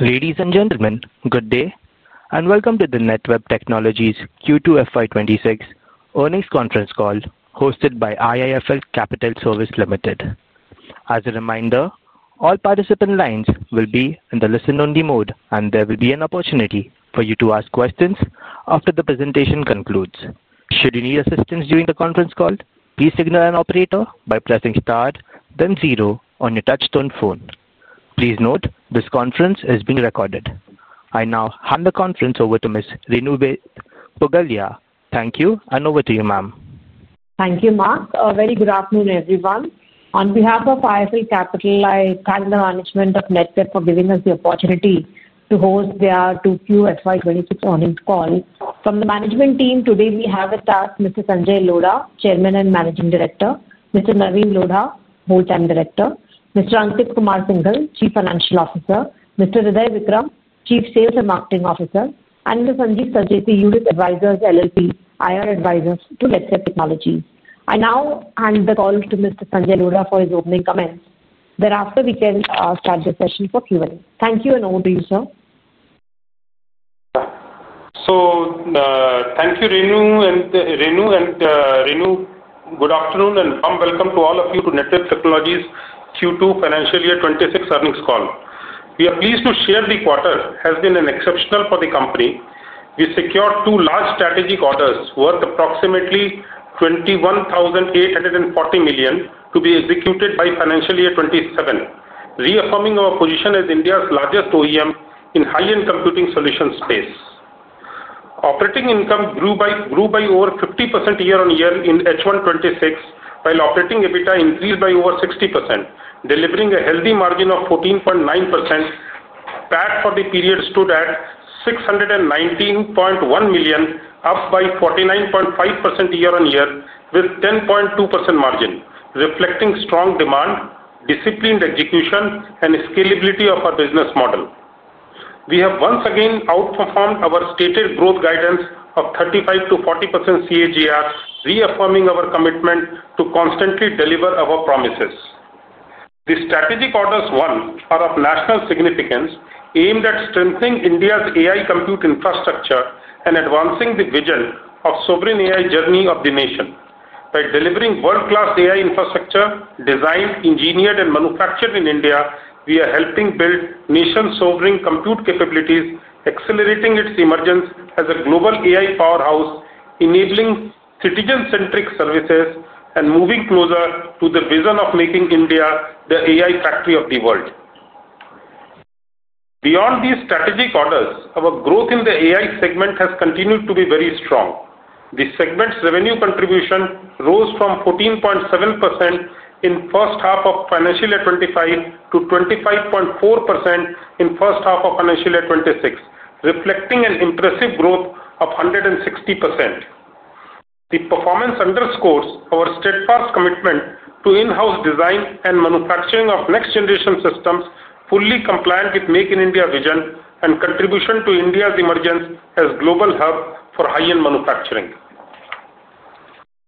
Ladies and gentlemen, good day and welcome to the Netweb Technologies Q2 FY 2026 earnings conference call hosted by IIFL Capital Services Limited. As a reminder, all participant lines will be in the listen-only mode, and there will be an opportunity for you to ask questions after the presentation concludes. Should you need assistance during the conference call, please signal an operator by pressing star, then zero on your touch-tone phone. Please note this conference is being recorded. I now hand the conference over to Ms. Renuved Pugalia. Thank you, and over to you, ma'am. Thank you, Mark. A very good afternoon, everyone. On behalf of IIFL Capital, I thank the management of Netweb for giving us the opportunity to host their Q2 FY 2026 earnings call. From the management team today, we have with us Mr. Sanjay Lodha, Chairman and Managing Director; Mr. Navin Lodha, Whole Time Director; Mr. Ankit Kumar Singhal, Chief Financial Officer; Mr. Hirdey Vikram, Chief Sales and Marketing Officer; and Mr. Sanjeev Sancheti, Virtus Advisors LLP, IR Advisors to Netweb Technologies. I now hand the call to Mr. Sanjay Lodha for his opening comments. Thereafter, we can start the session for Q&A. Thank you, and over to you, sir. Thank you, Renu. And Renu, good afternoon, and warm welcome to all of you to Netweb Technologies Q2 Financial Year 2026 earnings call. We are pleased to share the quarter has been exceptional for the company. We secured two large strategic orders worth approximately 21,840 million to be executed by Financial Year 2027, reaffirming our position as India's largest OEM in high-end computing solutions space. Operating income grew by over 50% year-on-year in H1 2026, while operating EBITDA increased by over 60%, delivering a healthy margin of 14.9%. PAT for the period stood at 619.1 million, up by 49.5% year-on-year with a 10.2% margin, reflecting strong demand, disciplined execution, and scalability of our business model. We have once again outperformed our stated growth guidance of 35%-40% CAGR, reaffirming our commitment to constantly deliver our promises. The strategic orders won are of national significance, aimed at strengthening India's AI compute infrastructure and advancing the vision of a sovereign AI journey of the nation. By delivering world-class AI infrastructure designed, engineered, and manufactured in India, we are helping build nation-sovereign compute capabilities, accelerating its emergence as a global AI powerhouse, enabling citizen-centric services, and moving closer to the vision of making India the AI factory of the world. Beyond these strategic orders, our growth in the AI segment has continued to be very strong. The segment's revenue contribution rose from 14.7% in the first half of Financial Year 2025 to 25.4% in the first half of Financial Year 2026, reflecting an impressive growth of 160%. The performance underscores our steadfast commitment to in-house design and manufacturing of next-generation systems, fully compliant with the Make in India vision and contribution to India's emergence as a global hub for high-end manufacturing.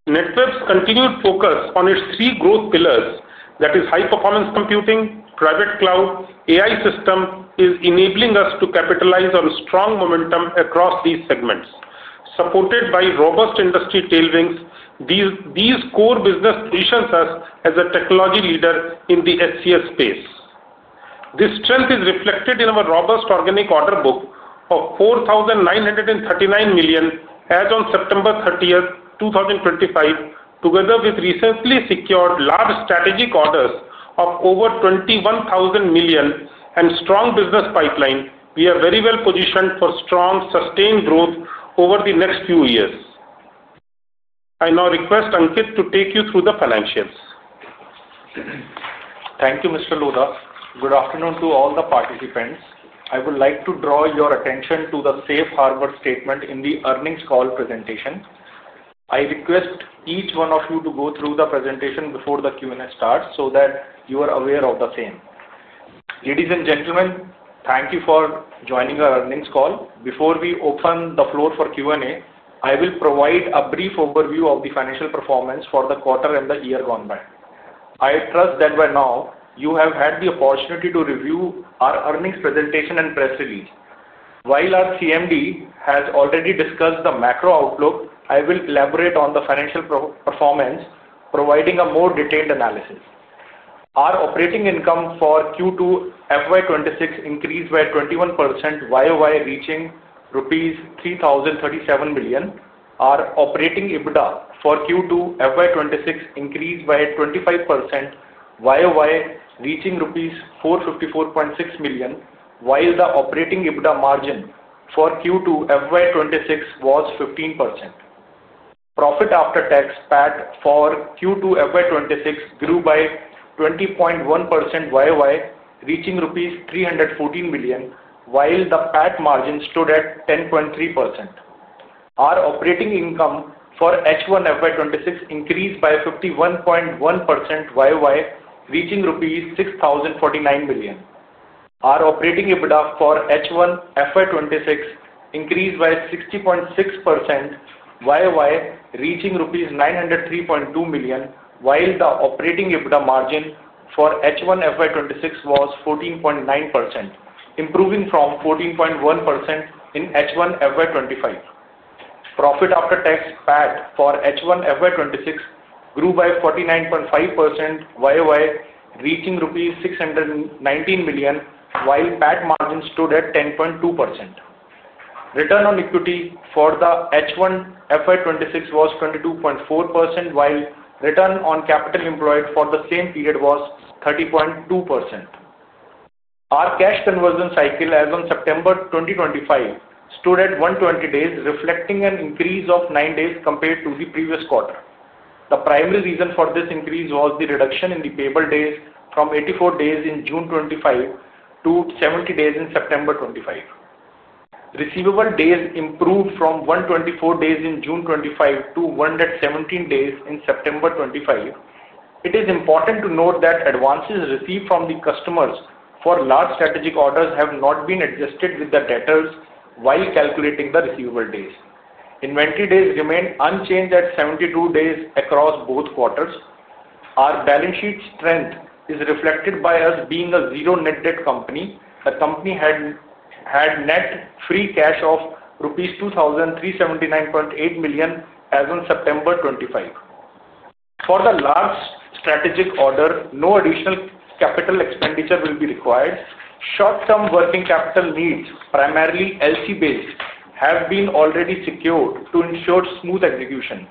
Netweb's continued focus on its three growth pillars—that is, high-performance computing, private cloud, and AI system—is enabling us to capitalize on strong momentum across these segments. Supported by robust industry tailwinds, these core business positions us as a technology leader in the SCS space. This strength is reflected in our robust organic order book of 4,939 million as of September 30th, 2025. Together with recently secured large strategic orders of over 21,000 million and a strong business pipeline, we are very well positioned for strong, sustained growth over the next few years. I now request Ankit to take you through the financials. Thank you, Mr. Lodha. Good afternoon to all the participants. I would like to draw your attention to the safe harbor statement in the earnings call presentation. I request each one of you to go through the presentation before the Q&A starts so that you are aware of the same. Ladies and gentlemen, thank you for joining our earnings call. Before we open the floor for Q&A, I will provide a brief overview of the financial performance for the quarter and the year gone by. I trust that by now, you have had the opportunity to review our earnings presentation and press release. While our CMD has already discussed the macro outlook, I will elaborate on the financial performance, providing a more detailed analysis. Our operating income for Q2 FY 2026 increased by 21% YOY, reaching INR 3,037 million. Our operating EBITDA for Q2 FY 2026 increased by 25% YOY, reaching rupees 454.6 million, while the operating EBITDA margin for Q2 FY 2026 was 15%. Profit after tax (PAT) for Q2 FY 2026 grew by 20.1% YOY, reaching rupees 314 million, while the PAT margin stood at 10.3%. Our operating income for H1 FY2026 increased by 51.1% YOY, reaching rupees 6,049 million. Our operating EBITDA for H1 FY 2026 increased by 60.6% YOY, reaching rupees 903.2 million, while the operating EBITDA margin for H1 FY 2026 was 14.9%, improving from 14.1% in H1 FY 2025. Profit after tax (PAT) for H1 FY 2026 grew by 49.5% YOY, reaching INR 619 million, while PAT margin stood at 10.2%. Return on equity for H1 FY 2026 was 22.4%, while return on capital employed for the same period was 30.2%. Our cash conversion cycle as of September 2025 stood at 120 days, reflecting an increase of 9 days compared to the previous quarter. The primary reason for this increase was the reduction in the payable days from 84 days in June 2025 to 70 days in September 2025. Receivable days improved from 124 days in June 2025 to 117 days in September 2025. It is important to note that advances received from the customers for large strategic orders have not been adjusted with the debtors while calculating the receivable days. Inventory days remained unchanged at 72 days across both quarters. Our balance sheet strength is reflected by us being a zero-net debt company. The company had net free cash of rupees 2,379.8 million as of September 2025. For the large strategic order, no additional capital expenditure will be required. Short-term working capital needs, primarily LC-based, have been already secured to ensure smooth execution.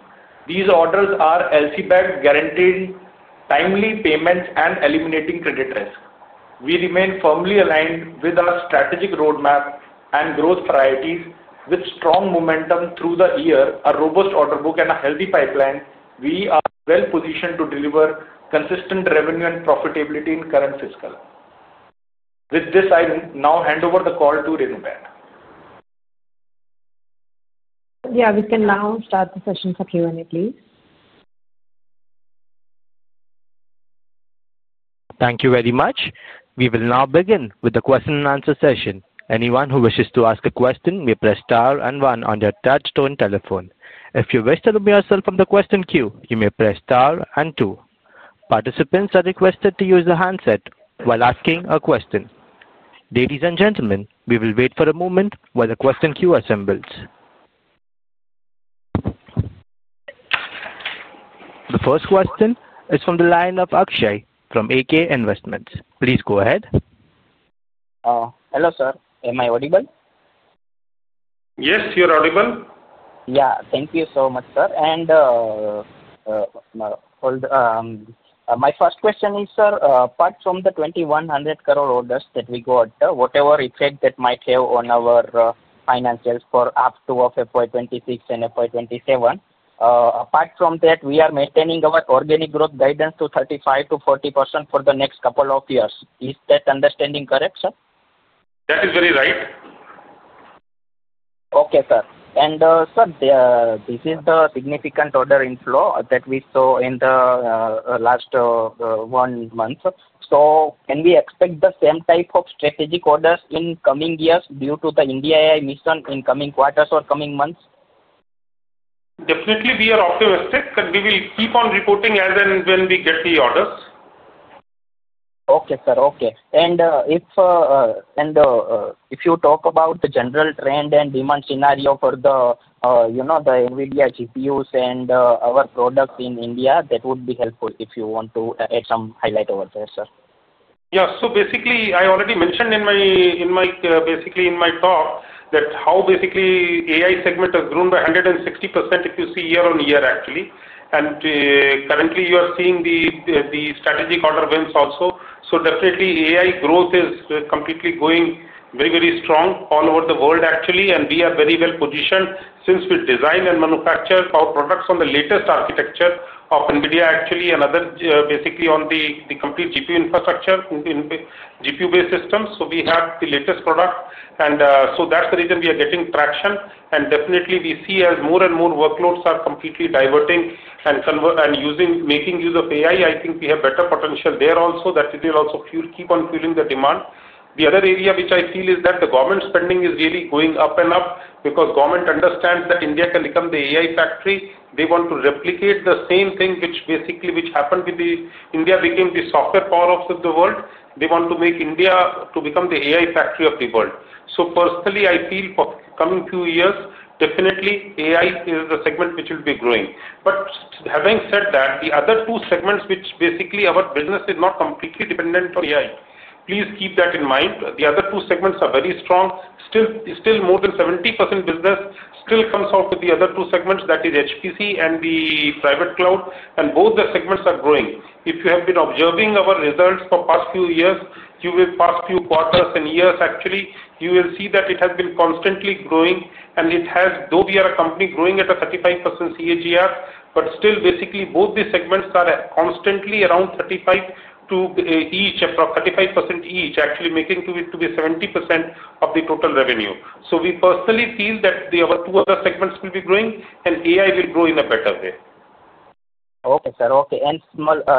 These orders are LC-backed, guaranteeing timely payments and eliminating credit risk. We remain firmly aligned with our strategic roadmap and growth priorities. With strong momentum through the year, a robust order book, and a healthy pipeline, we are well positioned to deliver consistent revenue and profitability in the current fiscal. With this, I now hand over the call to Renu Ben. Yeah, we can now start the session for Q&A, please. Thank you very much. We will now begin with the question-and-answer session. Anyone who wishes to ask a question may press Star and 1 on their touch-tone telephone. If you wish to remove yourself from the question queue, you may press Star and 2. Participants are requested to use the handset while asking a question. Ladies and gentlemen, we will wait for a moment while the question queue assembles. The first question is from the line of Akshay from AK Investments. Please go ahead. Hello, sir. Am I audible? Yes, you're audible. Yeah, thank you so much, sir. My first question is, sir, apart from the 2,100 crore orders that we got, whatever effect that might have on our financials for up to FY 2026 and FY 2027. Apart from that, we are maintaining our organic growth guidance to 35%-40% for the next couple of years. Is that understanding correct, sir? That is very right. Okay, sir. And, sir, this is the significant order inflow that we saw in the last one month. Can we expect the same type of strategic orders in coming years due to the India AI mission in coming quarters or coming months? Definitely, we are optimistic that we will keep on reporting as and when we get the orders. Okay, sir. Okay. If you talk about the general trend and demand scenario for the NVIDIA GPUs and our products in India, that would be helpful if you want to add some highlight over there, sir. Yeah. So basically, I already mentioned in my talk that how basically AI segment has grown by 160% if you see year on year, actually. Currently, you are seeing the strategic order wins also. Definitely, AI growth is completely going very, very strong all over the world, actually. We are very well positioned since we design and manufacture our products on the latest architecture of NVIDIA, actually, and other basically on the complete GPU infrastructure, GPU-based systems. We have the latest product, and that's the reason we are getting traction. Definitely, we see as more and more workloads are completely diverting and making use of AI. I think we have better potential there also that it will also keep on fueling the demand. The other area which I feel is that the government spending is really going up and up because government understands that India can become the AI factory. They want to replicate the same thing which basically happened with the India became the software powerhouse of the world. They want to make India become the AI factory of the world. Personally, I feel for coming few years, definitely AI is the segment which will be growing. Having said that, the other two segments which basically our business is not completely dependent on AI, please keep that in mind. The other two segments are very strong. Still, more than 70% business still comes out of the other two segments, that is HPC and the private cloud. Both the segments are growing. If you have been observing our results for past few years, past few quarters and years, actually, you will see that it has been constantly growing. Though we are a company growing at a 35% CAGR, still basically both these segments are constantly around 35% each, actually making it to be 70% of the total revenue. We personally feel that the other two other segments will be growing and AI will grow in a better way. Okay, sir. Okay. A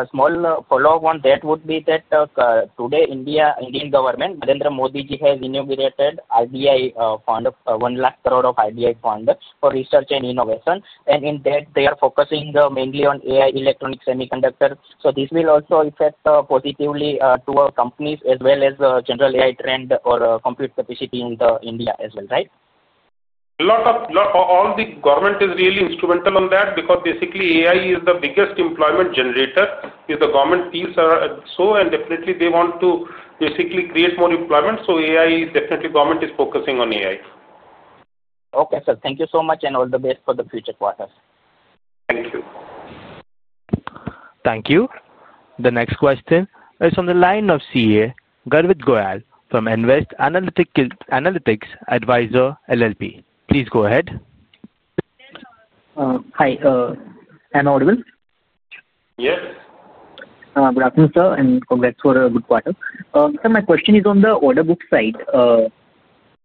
small follow-up on that would be that today Indian government, Narendra Modi ji has inaugurated IBI fund, 1 lakh crore of IBI fund for research and innovation. In that, they are focusing mainly on AI electronic semiconductor. This will also affect positively to our companies as well as general AI trend or compute capacity in India as well, right? A lot of all the government is really instrumental on that because basically AI is the biggest employment generator. If the government fees are so, and definitely they want to basically create more employment. AI is definitely government is focusing on AI. Okay, sir. Thank you so much and all the best for the future quarters. Thank you. Thank you. The next question is from the line of CA Garvit Goyal from Nvest Analytics Advisors LLP. Please go ahead. Hi. Am I audible? Yes. Good afternoon, sir, and congrats for a good quarter. Sir, my question is on the order book side.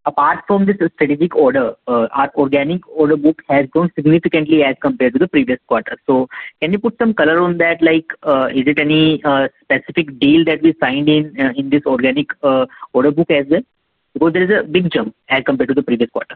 Apart from this strategic order, our organic order book has grown significantly as compared to the previous quarter. Can you put some color on that? Is it any specific deal that we signed in this organic order book as well? Because there is a big jump as compared to the previous quarter.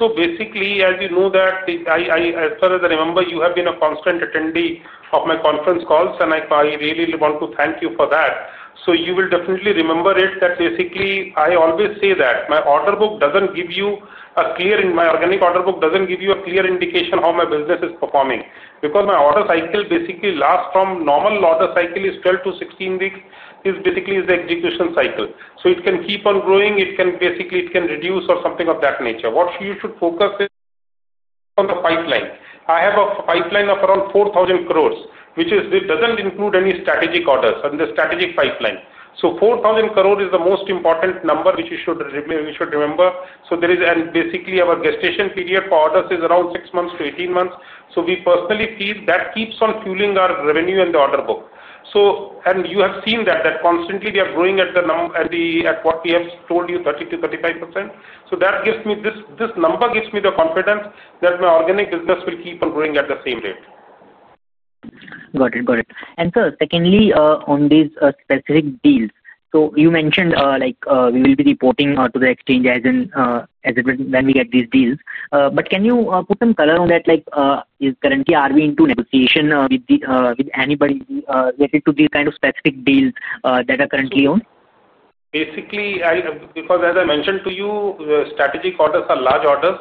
Basically, as you know that, as far as I remember, you have been a constant attendee of my conference calls, and I really want to thank you for that. You will definitely remember it that basically I always say that my order book does not give you a clear, my organic order book does not give you a clear indication how my business is performing because my order cycle basically lasts from normal order cycle is 12-16 weeks. This basically is the execution cycle. It can keep on growing. It can basically reduce or something of that nature. What you should focus on is on the pipeline. I have a pipeline of around 4,000 crore, which does not include any strategic orders in the strategic pipeline. 4,000 crore is the most important number which you should remember. Basically, our gestation period for orders is around 6 months to 18 months. We personally feel that keeps on fueling our revenue and the order book. You have seen that constantly we are growing at what we have told you, 30%-35%. This number gives me the confidence that my organic business will keep on growing at the same rate. Got it. Got it. Sir, secondly, on these specific deals, you mentioned we will be reporting to the exchange as, when we get these deals. Can you put some color on that? Currently, are we into negotiation with anybody related to these kind of specific deals that are currently on? Basically, because as I mentioned to you, strategic orders are large orders.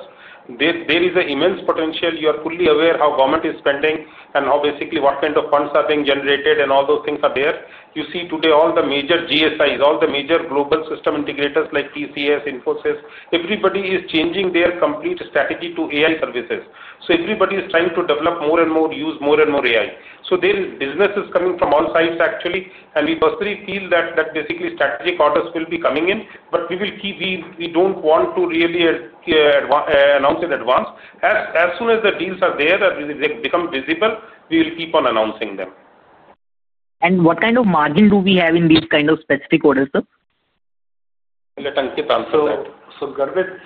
There is an immense potential. You are fully aware how government is spending and basically what kind of funds are being generated and all those things are there. You see today all the major GSIs, all the major global system integrators like TCS, Infosys, everybody is changing their complete strategy to AI services. Everybody is trying to develop more and more, use more and more AI. Business is coming from all sides, actually. We personally feel that basically strategic orders will be coming in, but we do not want to really announce in advance. As soon as the deals are there, they become visible, we will keep on announcing them. What kind of margin do we have in these kind of specific orders, sir? Let Ankit answer that. Garbhit,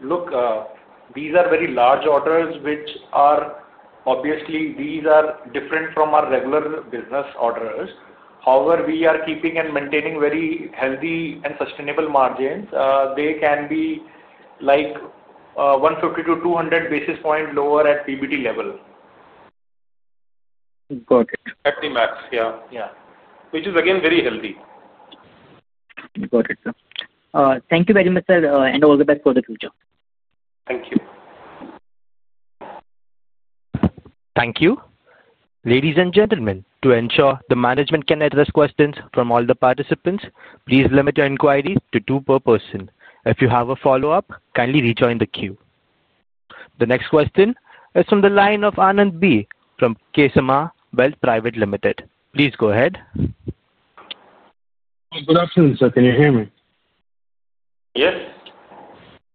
look, these are very large orders, which are obviously different from our regular business orders. However, we are keeping and maintaining very healthy and sustainable margins. They can be like 150-200 basis points lower at PBT level. Got it. At the max, yeah. Yeah. Which is again very healthy. Got it, sir. Thank you very much, sir, and all the best for the future. Thank you. Thank you. Ladies and gentlemen, to ensure the management can address questions from all the participants, please limit your inquiries to two per person. If you have a follow-up, kindly rejoin the queue. The next question is from the line of Anand B from KSM Wealth Private Limited. Please go ahead. Good afternoon, sir. Can you hear me? Yes.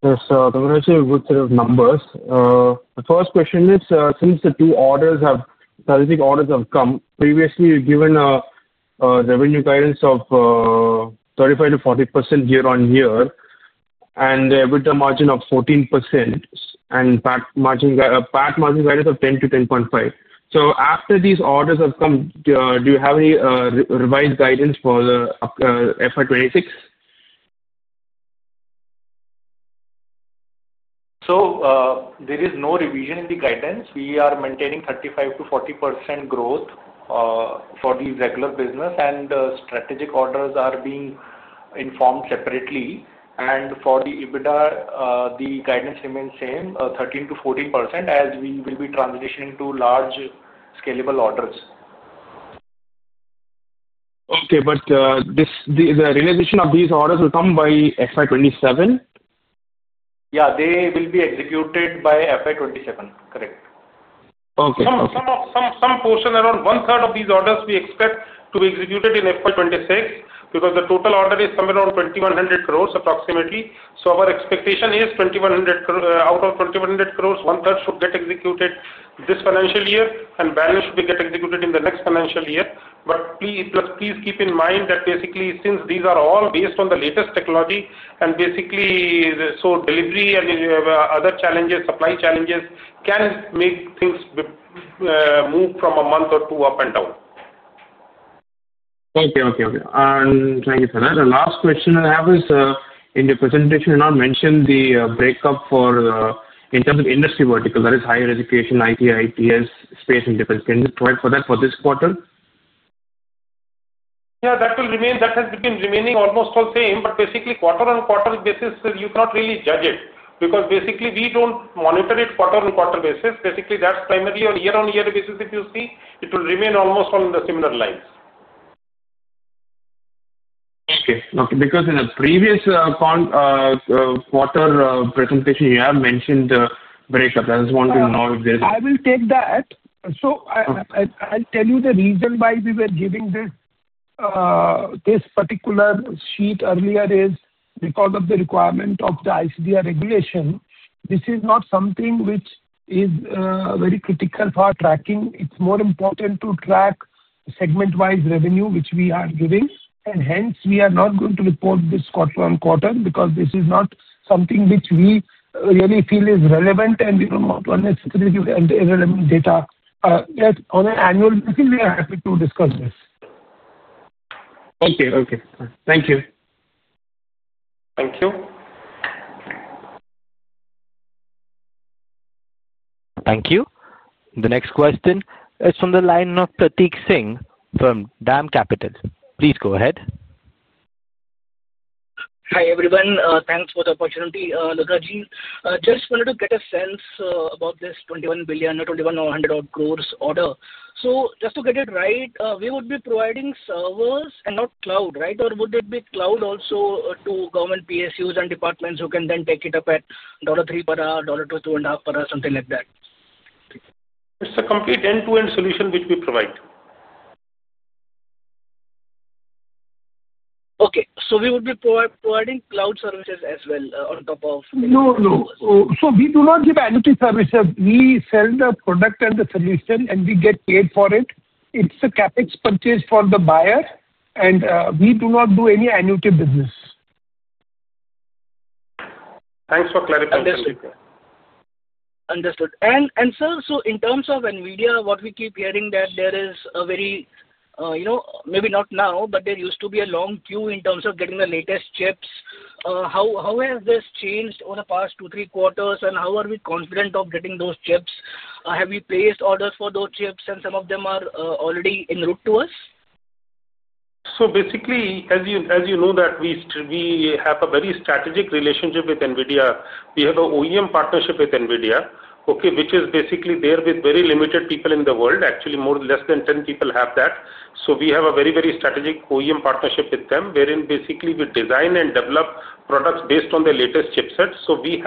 Yes, sir. I'm going to share a good set of numbers. The first question is, since the two orders have come, previously we've given a revenue guidance of 35%-40% year on year, and with a margin of 14%, and PAT margin guidance of 10%-10.5%. After these orders have come, do you have any revised guidance for the FY2026? There is no revision in the guidance. We are maintaining 35%-40% growth for the regular business, and strategic orders are being informed separately. For the EBITDA, the guidance remains the same, 13%-14%, as we will be transitioning to large scalable orders. Okay, but the realization of these orders will come by FY 2027? Yeah, they will be executed by FY 2027. Correct. Okay. Some portion, around one-third of these orders, we expect to be executed in FY 2026 because the total order is somewhere around 2,100 crore approximately. Our expectation is, out of 2,100 crore, one-third should get executed this financial year, and the balance should get executed in the next financial year. Please keep in mind that, basically, since these are all based on the latest technology, delivery and other supply challenges can make things move from a month or two up and down. Okay, okay. Thank you, sir. The last question I have is, in your presentation, you now mentioned the breakup in terms of industry vertical, that is higher education, IT, IPS, space, and different. Can you provide for that for this quarter? Yeah, that has been remaining almost all same, but basically quarter-on-quarter basis, you cannot really judge it because basically we do not monitor it quarter-on-quarter basis. Basically, that is primarily on year-on-year basis, if you see. It will remain almost all in the similar lines. Okay. Okay. Because in the previous quarter presentation, you have mentioned the breakup. I just want to know if there is. I will take that. I'll tell you the reason why we were giving this particular sheet earlier is because of the requirement of the ICDR regulation. This is not something which is very critical for tracking. It's more important to track segment-wise revenue, which we are giving. Hence, we are not going to report this quarter-on-quarter because this is not something which we really feel is relevant, and we do not want unnecessary and irrelevant data. On an annual basis, we are happy to discuss this. Okay, okay. Thank you. Thank you. Thank you. The next question is from the line of Prateek Singh from DAM Capital. Please go ahead. Hi everyone. Thanks for the opportunity, Nagarjee. Just wanted to get a sense about this $2.1 billion, $2.1 or 100 crore order. So just to get it right, we would be providing servers and not cloud, right? Or would it be cloud also to government PSUs and departments who can then take it up at $3 per hour, $2.5 per hour, something like that? It's a complete end-to-end solution which we provide. Okay. So we would be providing cloud services as well on top of? No, no. We do not give annuity services. We sell the product and the solution, and we get paid for it. It's a CapEx purchase for the buyer, and we do not do any annuity business. Thanks for clarifying. Understood. Understood. Sir, in terms of NVIDIA, what we keep hearing is that there is a very, maybe not now, but there used to be a long queue in terms of getting the latest chips. How has this changed over the past two, three quarters, and how are we confident of getting those chips? Have we placed orders for those chips, and some of them are already en route to us? Basically, as you know that we have a very strategic relationship with NVIDIA. We have an OEM partnership with NVIDIA, which is basically there with very limited people in the world. Actually, less than 10 people have that. We have a very, very strategic OEM partnership with them, wherein basically we design and develop products based on the latest chipsets. We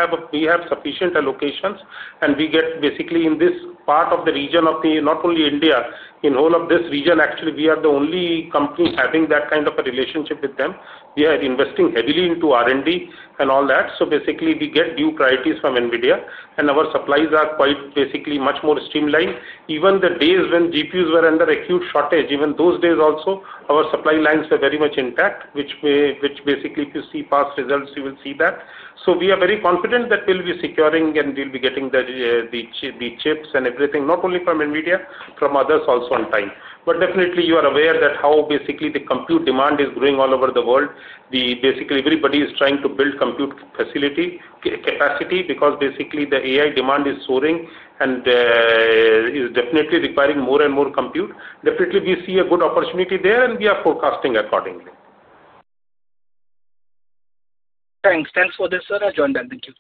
have sufficient allocations, and we get basically in this part of the region of not only India. In all of this region, actually, we are the only company having that kind of a relationship with them. We are investing heavily into R&D and all that. We get due priorities from NVIDIA, and our supplies are quite basically much more streamlined. Even the days when GPUs were under acute shortage, even those days also, our supply lines were very much intact, which basically, if you see past results, you will see that. We are very confident that we'll be securing and we'll be getting the chips and everything, not only from NVIDIA, from others also on time. Definitely, you are aware that how basically the compute demand is growing all over the world. Basically, everybody is trying to build compute capacity because basically the AI demand is soaring and is definitely requiring more and more compute. Definitely, we see a good opportunity there, and we are forecasting accordingly. Thanks. Thanks for this, sir. I'll join that. Thank you.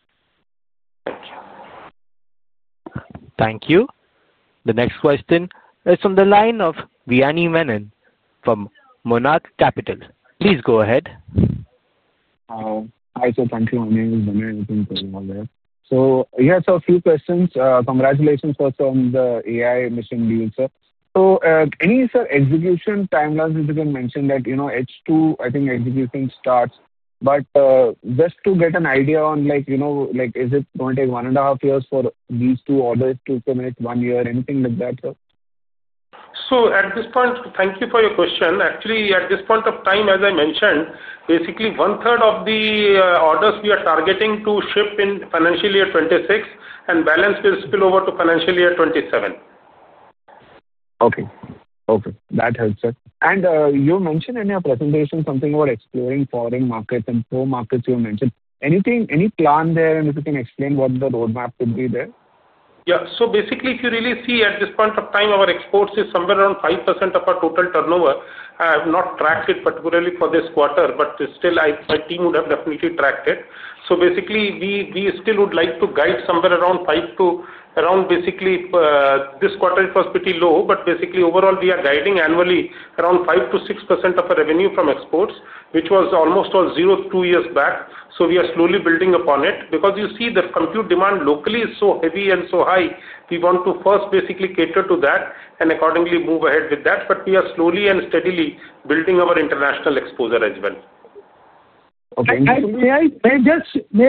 Thank you. Thank you. The next question is from the line of Vinay Menon from Monarch Capital. Please go ahead. Hi, sir. Thank you. My name is Vinay Menon. Yes, a few questions. Congratulations also on the AI mission deal, sir. Any execution timelines? You mentioned that H2, I think execution starts. Just to get an idea, is it going to take one and a half years for these two orders to complete, one year, anything like that, sir? Thank you for your question. Actually, at this point of time, as I mentioned, basically one-third of the orders we are targeting to ship in financial year 2026 and balance will spill over to financial year 2027. Okay. Okay. That helps, sir. You mentioned in your presentation something about exploring foreign markets and pro markets you mentioned. Any plan there, and if you can explain what the roadmap would be there? Yeah. So basically, if you really see at this point of time, our exports is somewhere around 5% of our total turnover. I have not tracked it particularly for this quarter, but still, my team would have definitely tracked it. Basically, we still would like to guide somewhere around. This quarter it was pretty low, but overall, we are guiding annually around 5%-6% of our revenue from exports, which was almost zero two years back. We are slowly building upon it because you see the compute demand locally is so heavy and so high. We want to first basically cater to that and accordingly move ahead with that. We are slowly and steadily building our international exposure as well. Okay. May I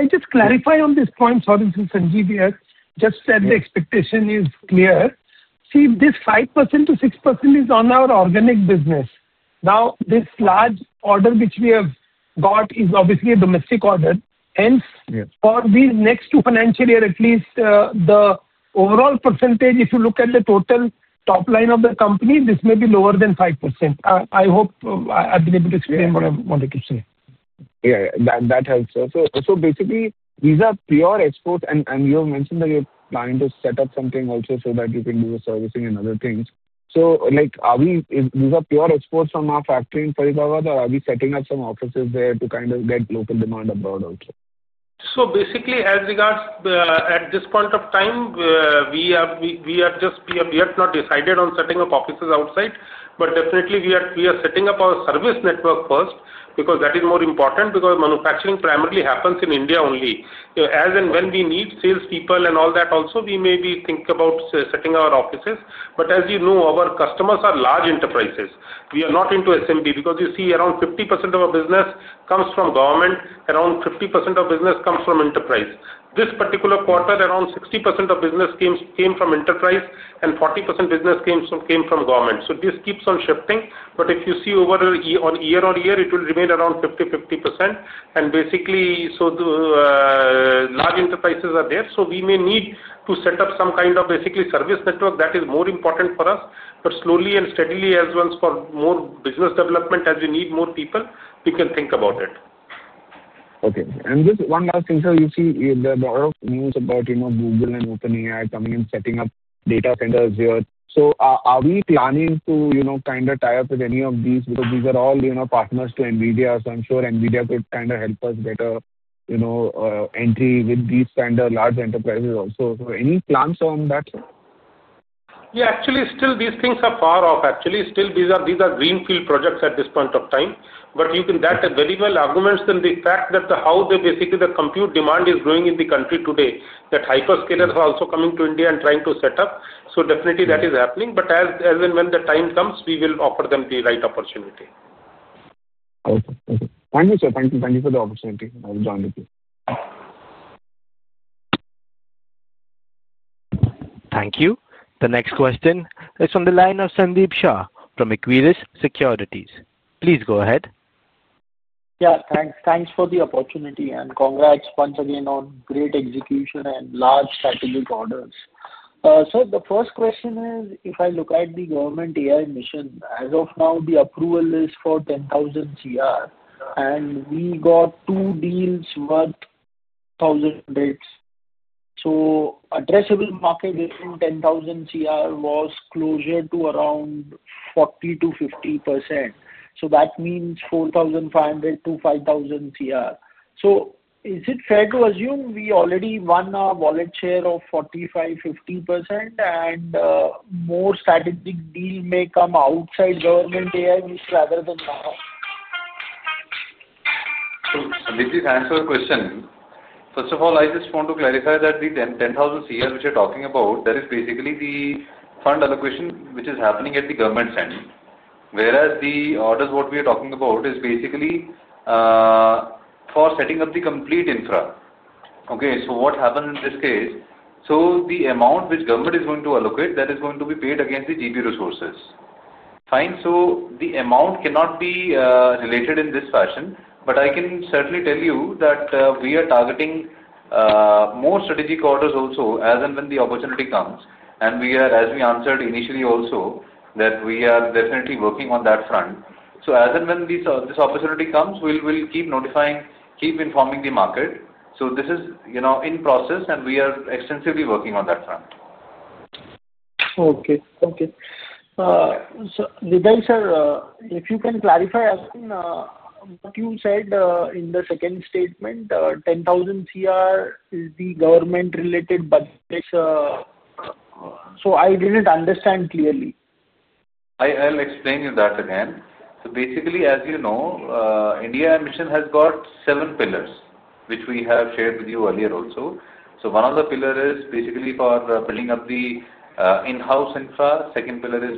just clarify on this point, sir, this is Sanjeev here. Just that the expectation is clear. See, this 5%-6% is on our organic business. Now, this large order which we have got is obviously a domestic order. Hence, for these next two financial years, at least the overall percentage, if you look at the total top line of the company, this may be lower than 5%. I hope I've been able to explain what I wanted to say. Yeah, that helps, sir. So basically, these are pure exports, and you have mentioned that you're trying to set up something also so that you can do the servicing and other things. Are these pure exports from our factory in Faridabad, or are we setting up some offices there to kind of get local demand abroad also? Basically, as regards at this point of time, we have just yet not decided on setting up offices outside, but definitely, we are setting up our service network first because that is more important because manufacturing primarily happens in India only. As and when we need salespeople and all that also, we maybe think about setting up our offices. As you know, our customers are large enterprises. We are not into SMB because you see around 50% of our business comes from government, around 50% of business comes from enterprise. This particular quarter, around 60% of business came from enterprise and 40% business came from government. This keeps on shifting. If you see over on year on year, it will remain around 50-50%. Basically, large enterprises are there. We may need to set up some kind of service network that is more important for us, but slowly and steadily as well for more business development as we need more people, we can think about it. Okay. And just one last thing, sir. You see the number of news about Google and OpenAI coming and setting up data centers here. Are we planning to kind of tie up with any of these because these are all partners to NVIDIA? I'm sure NVIDIA could kind of help us get an entry with these kind of large enterprises also. Any plans on that, sir? Yeah, actually, still these things are far off. Actually, still these are greenfield projects at this point of time. That very well augments the fact that how basically the compute demand is growing in the country today, that hyperscalers are also coming to India and trying to set up. Definitely, that is happening. As and when the time comes, we will offer them the right opportunity. Okay. Thank you, sir. Thank you. Thank you for the opportunity. I've joined with you. Thank you. The next question is from the line of Sandeep Shah from Equirus Securities. Please go ahead. Yeah, thanks for the opportunity. And congrats once again on great execution and large strategic orders. Sir, the first question is, if I look at the government AI mission, as of now, the approval is for 10,000 crore. And we got two deals worth 1,000 crore. So addressable market in 10,000 crore was closer to around 40%-50%. So that means 4,500-5,000 crore. So is it fair to assume we already won a wallet share of 45%-50%, and more strategic deal may come outside government AI rather than now? This is the answer to the question. First of all, I just want to clarify that the 10,000 crore which you're talking about, that is basically the fund allocation which is happening at the government's end. Whereas the orders, what we are talking about, is basically for setting up the complete infra. Okay. What happens in this case? The amount which government is going to allocate, that is going to be paid against the GPU resources. Fine? The amount cannot be related in this fashion, but I can certainly tell you that we are targeting more strategic orders also, as and when the opportunity comes. As we answered initially also, we are definitely working on that front. As and when this opportunity comes, we will keep notifying, keep informing the market. This is in process, and we are extensively working on that front. Okay. Okay. So, Nigel, sir, if you can clarify, what you said in the second statement, 10,000 crore is the government-related budget. I didn't understand clearly. I'll explain you that again. Basically, as you know, India Mission has got seven pillars, which we have shared with you earlier also. One of the pillars is for building up the in-house infra. The second pillar is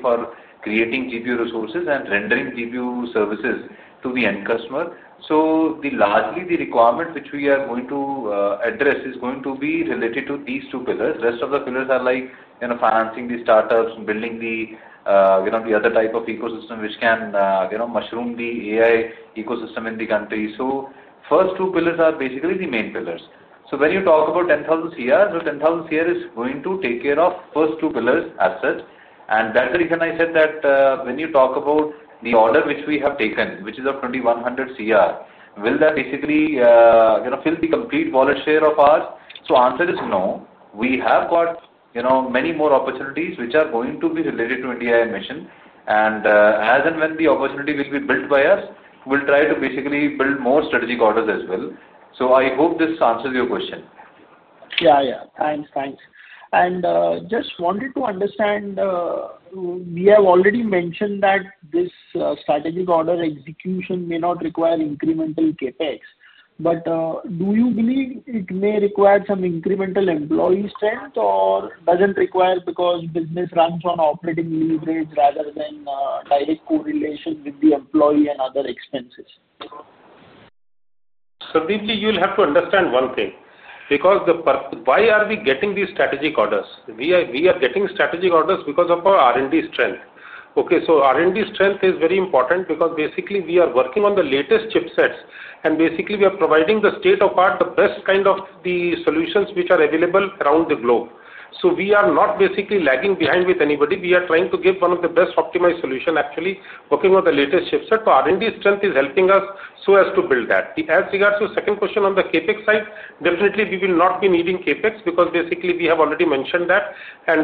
for creating GPU resources and rendering GPU services to the end customer. Largely, the requirement which we are going to address is going to be related to these two pillars. The rest of the pillars are like financing the startups and building the other type of ecosystem which can mushroom the AI ecosystem in the country. The first two pillars are the main pillars. When you talk about 10,000 crore, 10,000 crore is going to take care of the first two pillars as such. That's the reason I said that when you talk about the order which we have taken, which is of 2,100 crore, will that basically fill the complete wallet share of ours? The answer is no. We have got many more opportunities which are going to be related to India Mission. As and when the opportunity will be built by us, we'll try to build more strategic orders as well. I hope this answers your question. Yeah, yeah. Thanks. Thanks. Just wanted to understand. We have already mentioned that this strategic order execution may not require incremental CapEx. Do you believe it may require some incremental employee strength or does it not require because business runs on operating leverage rather than direct correlation with the employee and other expenses? Sandeep ji, you'll have to understand one thing. Because why are we getting these strategic orders? We are getting strategic orders because of our R&D strength. Okay. R&D strength is very important because basically we are working on the latest chipsets. Basically, we are providing the state of art, the best kind of the solutions which are available around the globe. We are not basically lagging behind with anybody. We are trying to give one of the best optimized solutions, actually working on the latest chipset. R&D strength is helping us so as to build that. As regards to the second question on the CapEx side, definitely we will not be needing CapEx because basically we have already mentioned that.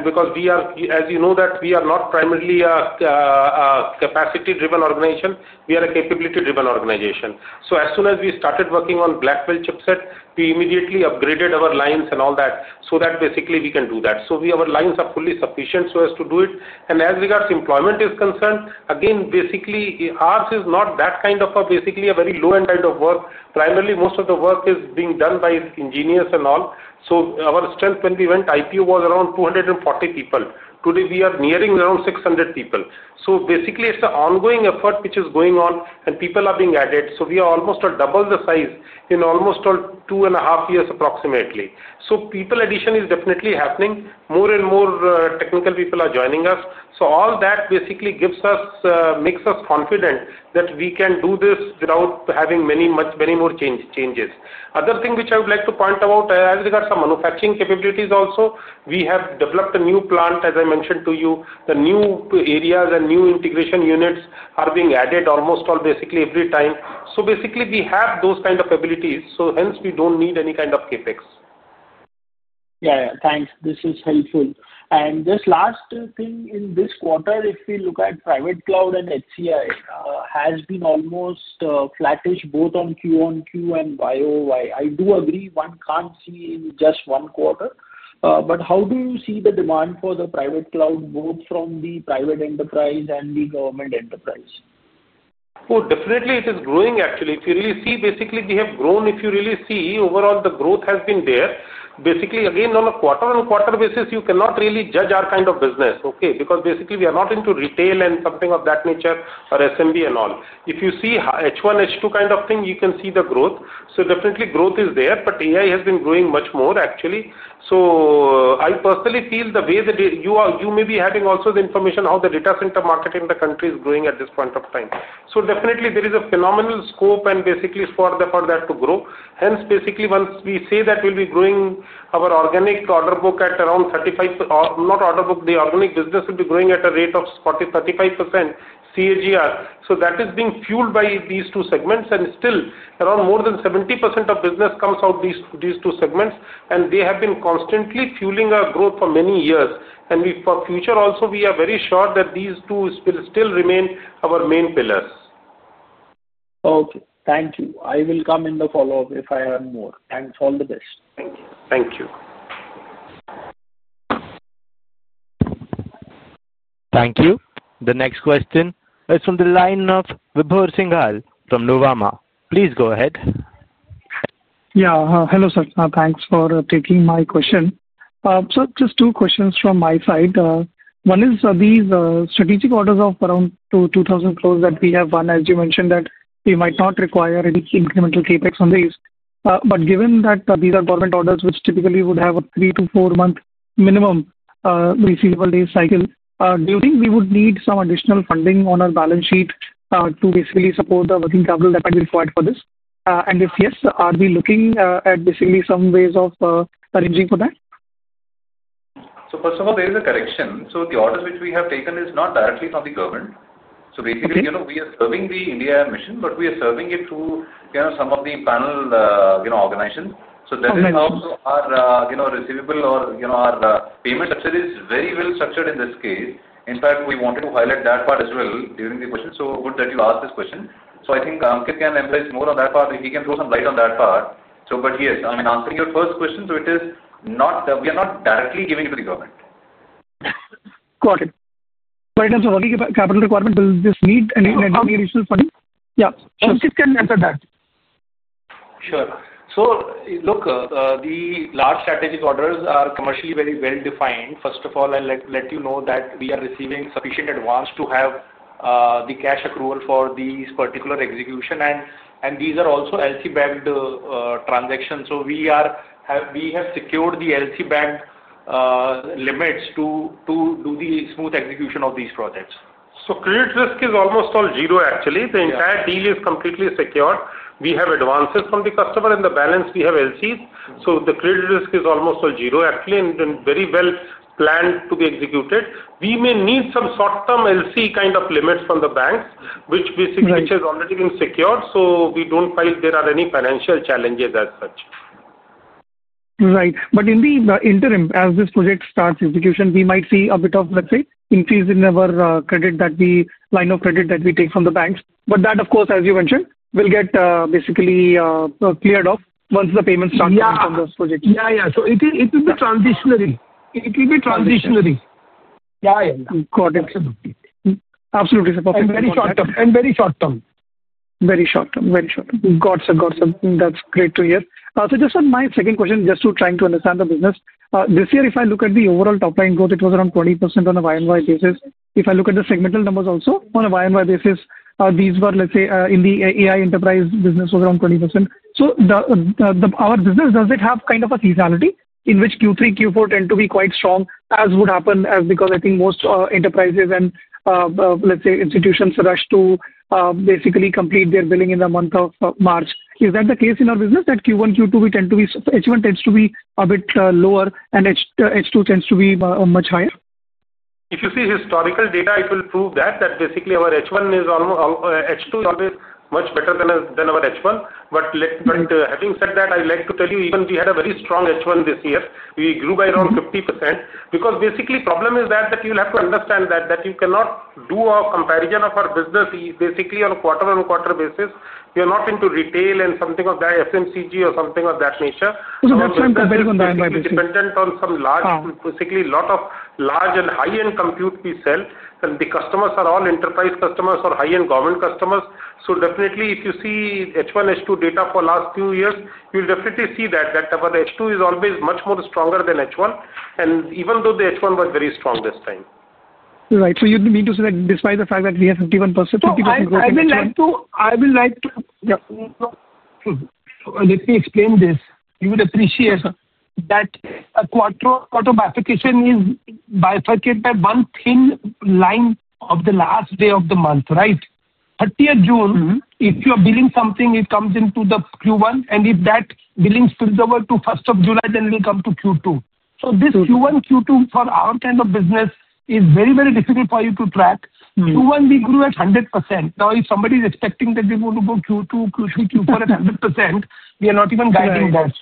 Because we are, as you know, not primarily a capacity-driven organization. We are a capability-driven organization. As soon as we started working on Blackwell chipset, we immediately upgraded our lines and all that so that basically we can do that. Our lines are fully sufficient so as to do it. As regards to employment is concerned, again, basically ours is not that kind of a very low-end kind of work. Primarily, most of the work is being done by engineers and all. Our strength, when we went IPO, was around 240 people. Today, we are nearing around 600 people. Basically, it's an ongoing effort which is going on, and people are being added. We are almost double the size in almost two and a half years approximately. People addition is definitely happening. More and more technical people are joining us. All that basically makes us confident that we can do this without having many much many more changes. Other thing which I would like to point out, as regards to manufacturing capabilities also, we have developed a new plant, as I mentioned to you. The new areas and new integration units are being added almost all basically every time. Basically, we have those kind of abilities. Hence, we don't need any kind of CapEx. Yeah, yeah. Thanks. This is helpful. And just last thing, in this quarter, if we look at private cloud and HCI, it has been almost flattish both on Q1Q and BioY. I do agree one can't see in just one quarter. But how do you see the demand for the private cloud both from the private enterprise and the government enterprise? It is growing, actually. If you really see, basically, we have grown. If you really see, overall, the growth has been there. Basically, again, on a quarter-on-quarter basis, you cannot really judge our kind of business, okay? Because basically, we are not into retail and something of that nature or SMB and all. If you see H1, H2 kind of thing, you can see the growth. Growth is there, but AI has been growing much more, actually. I personally feel the way that you may be having also the information how the data center market in the country is growing at this point of time. There is a phenomenal scope and basically for that to grow. Hence, basically, once we say that we'll be growing our organic order book at around 35% or not order book, the organic business will be growing at a rate of 35% CAGR. That is being fueled by these two segments. Still, around more than 70% of business comes out these two segments. They have been constantly fueling our growth for many years. For future also, we are very sure that these two will still remain our main pillars. Okay. Thank you. I will come in the follow-up if I have more. Thanks. All the best. Thank you. Thank you. Thank you. The next question is from the line of Vibhor Singhal from Nuvama. Please go ahead. Yeah. Hello, sir. Thanks for taking my question. Just two questions from my side. One is these strategic orders of around 2,000 crore that we have won, as you mentioned, that we might not require any incremental CapEx on these. Given that these are government orders which typically would have a three- to four-month minimum receivable days cycle, do you think we would need some additional funding on our balance sheet to basically support the working capital that might be required for this? If yes, are we looking at basically some ways of arranging for that? First of all, there is a correction. The orders which we have taken are not directly from the government. Basically, we are serving the India Mission, but we are serving it through some of the panel organizations. That is also our receivable or our payment. The structure is very well structured in this case. In fact, we wanted to highlight that part as well during the question. Good that you asked this question. I think Ankit can emphasize more on that part. He can throw some light on that part. Yes, I am answering your first question. It is not that we are directly giving it to the government. Got it. But in terms of working capital requirement, will this need any additional funding? Yeah. Ankit can answer that. Sure. So look, the large strategic orders are commercially very well defined. First of all, I'll let you know that we are receiving sufficient advance to have the cash accrual for these particular executions. These are also LC-backed transactions. We have secured the LC-backed limits to do the smooth execution of these projects. Credit risk is almost all zero, actually. The entire deal is completely secured. We have advances from the customer. In the balance, we have LCs. The credit risk is almost all zero, actually, and very well planned to be executed. We may need some short-term LC kind of limits from the banks, which has already been secured. We do not feel there are any financial challenges as such. Right. But in the interim, as this project starts execution, we might see a bit of, let's say, increase in our credit, that is, line of credit that we take from the banks. But that, of course, as you mentioned, will get basically cleared off once the payments start from those projects. Yeah, yeah. It will be transitionary. It will be transitionary. Yeah, got it. Absolutely. Sir, perfect. Very short-term. Very short-term. Very short-term. Gotcha. That's great to hear. Just on my second question, just to try to understand the business, this year, if I look at the overall top-line growth, it was around 20% on a Y&Y basis. If I look at the segmental numbers also on a Y&Y basis, these were, let's say, in the AI enterprise business was around 20%. Our business, does it have kind of a seasonality in which Q3, Q4 tend to be quite strong, as would happen because I think most enterprises and, let's say, institutions rush to basically complete their billing in the month of March? Is that the case in our business that Q1, Q2, we tend to be H1 tends to be a bit lower, and H2 tends to be much higher? If you see historical data, it will prove that basically our H1 is almost H2 is always much better than our H1. Having said that, I'd like to tell you, even we had a very strong H1 this year. We grew by around 50%. Because basically, the problem is that you'll have to understand that you cannot do a comparison of our business basically on a quarter-on-quarter basis. We are not into retail and something of that, FMCG or something of that nature. H1 compared to the Y&Y basis? We are independent on some large, basically a lot of large and high-end compute we sell. The customers are all enterprise customers or high-end government customers. Definitely, if you see H1, H2 data for the last few years, you'll definitely see that our H2 is always much more stronger than H1. Even though the H1 was very strong this time. Right. So you mean to say that despite the fact that we have 51%, 50% growth this year? Yeah. I will like to. Let me explain this. You will appreciate that a quarter of application is bifurcated by one thin line of the last day of the month, right? June 30, if you are billing something, it comes into the Q1. And if that billing spills over to July 1, then we come to Q2. This Q1, Q2 for our kind of business is very, very difficult for you to track. Q1, we grew at 100%. Now, if somebody is expecting that they want to go Q2, Q3, Q4 at 100%, we are not even guiding that.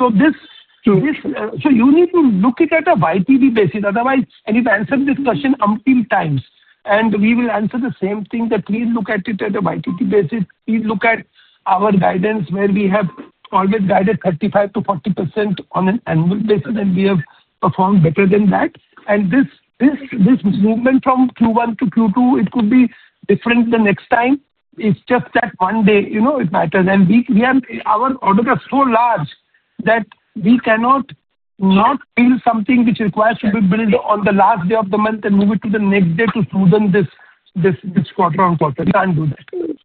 You need to look at it at a YTD basis. Otherwise, and you've answered this question until times. We will answer the same thing that we look at it at a YTD basis. We look at our guidance where we have always guided 35%-40% on an annual basis, and we have performed better than that. This movement from Q1 to Q2, it could be different the next time. It's just that one day it matters. Our orders are so large that we cannot not build something which requires to be built on the last day of the month and move it to the next day to smoothen this. Quarter-on-quarter. We can't do that.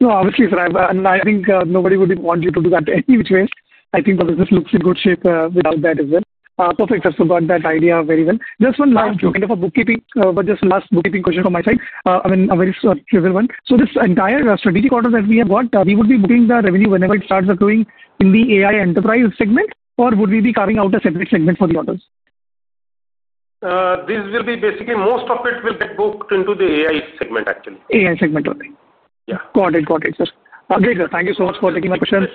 No, obviously, sir. I think nobody would want you to do that in any which way. I think the business looks in good shape without that as well. Perfect, sir. Got that idea very well. Just one last kind of a bookkeeping, but just last bookkeeping question from my side. I mean, a very trivial one. This entire strategic order that we have got, we would be booking the revenue whenever it starts accruing in the AI enterprise segment, or would we be carrying out a separate segment for the orders? This will be basically most of it will get booked into the AI segment, actually. AI segment only. Yeah. Got it. Got it, sir. Great, sir. Thank you so much for taking my questions.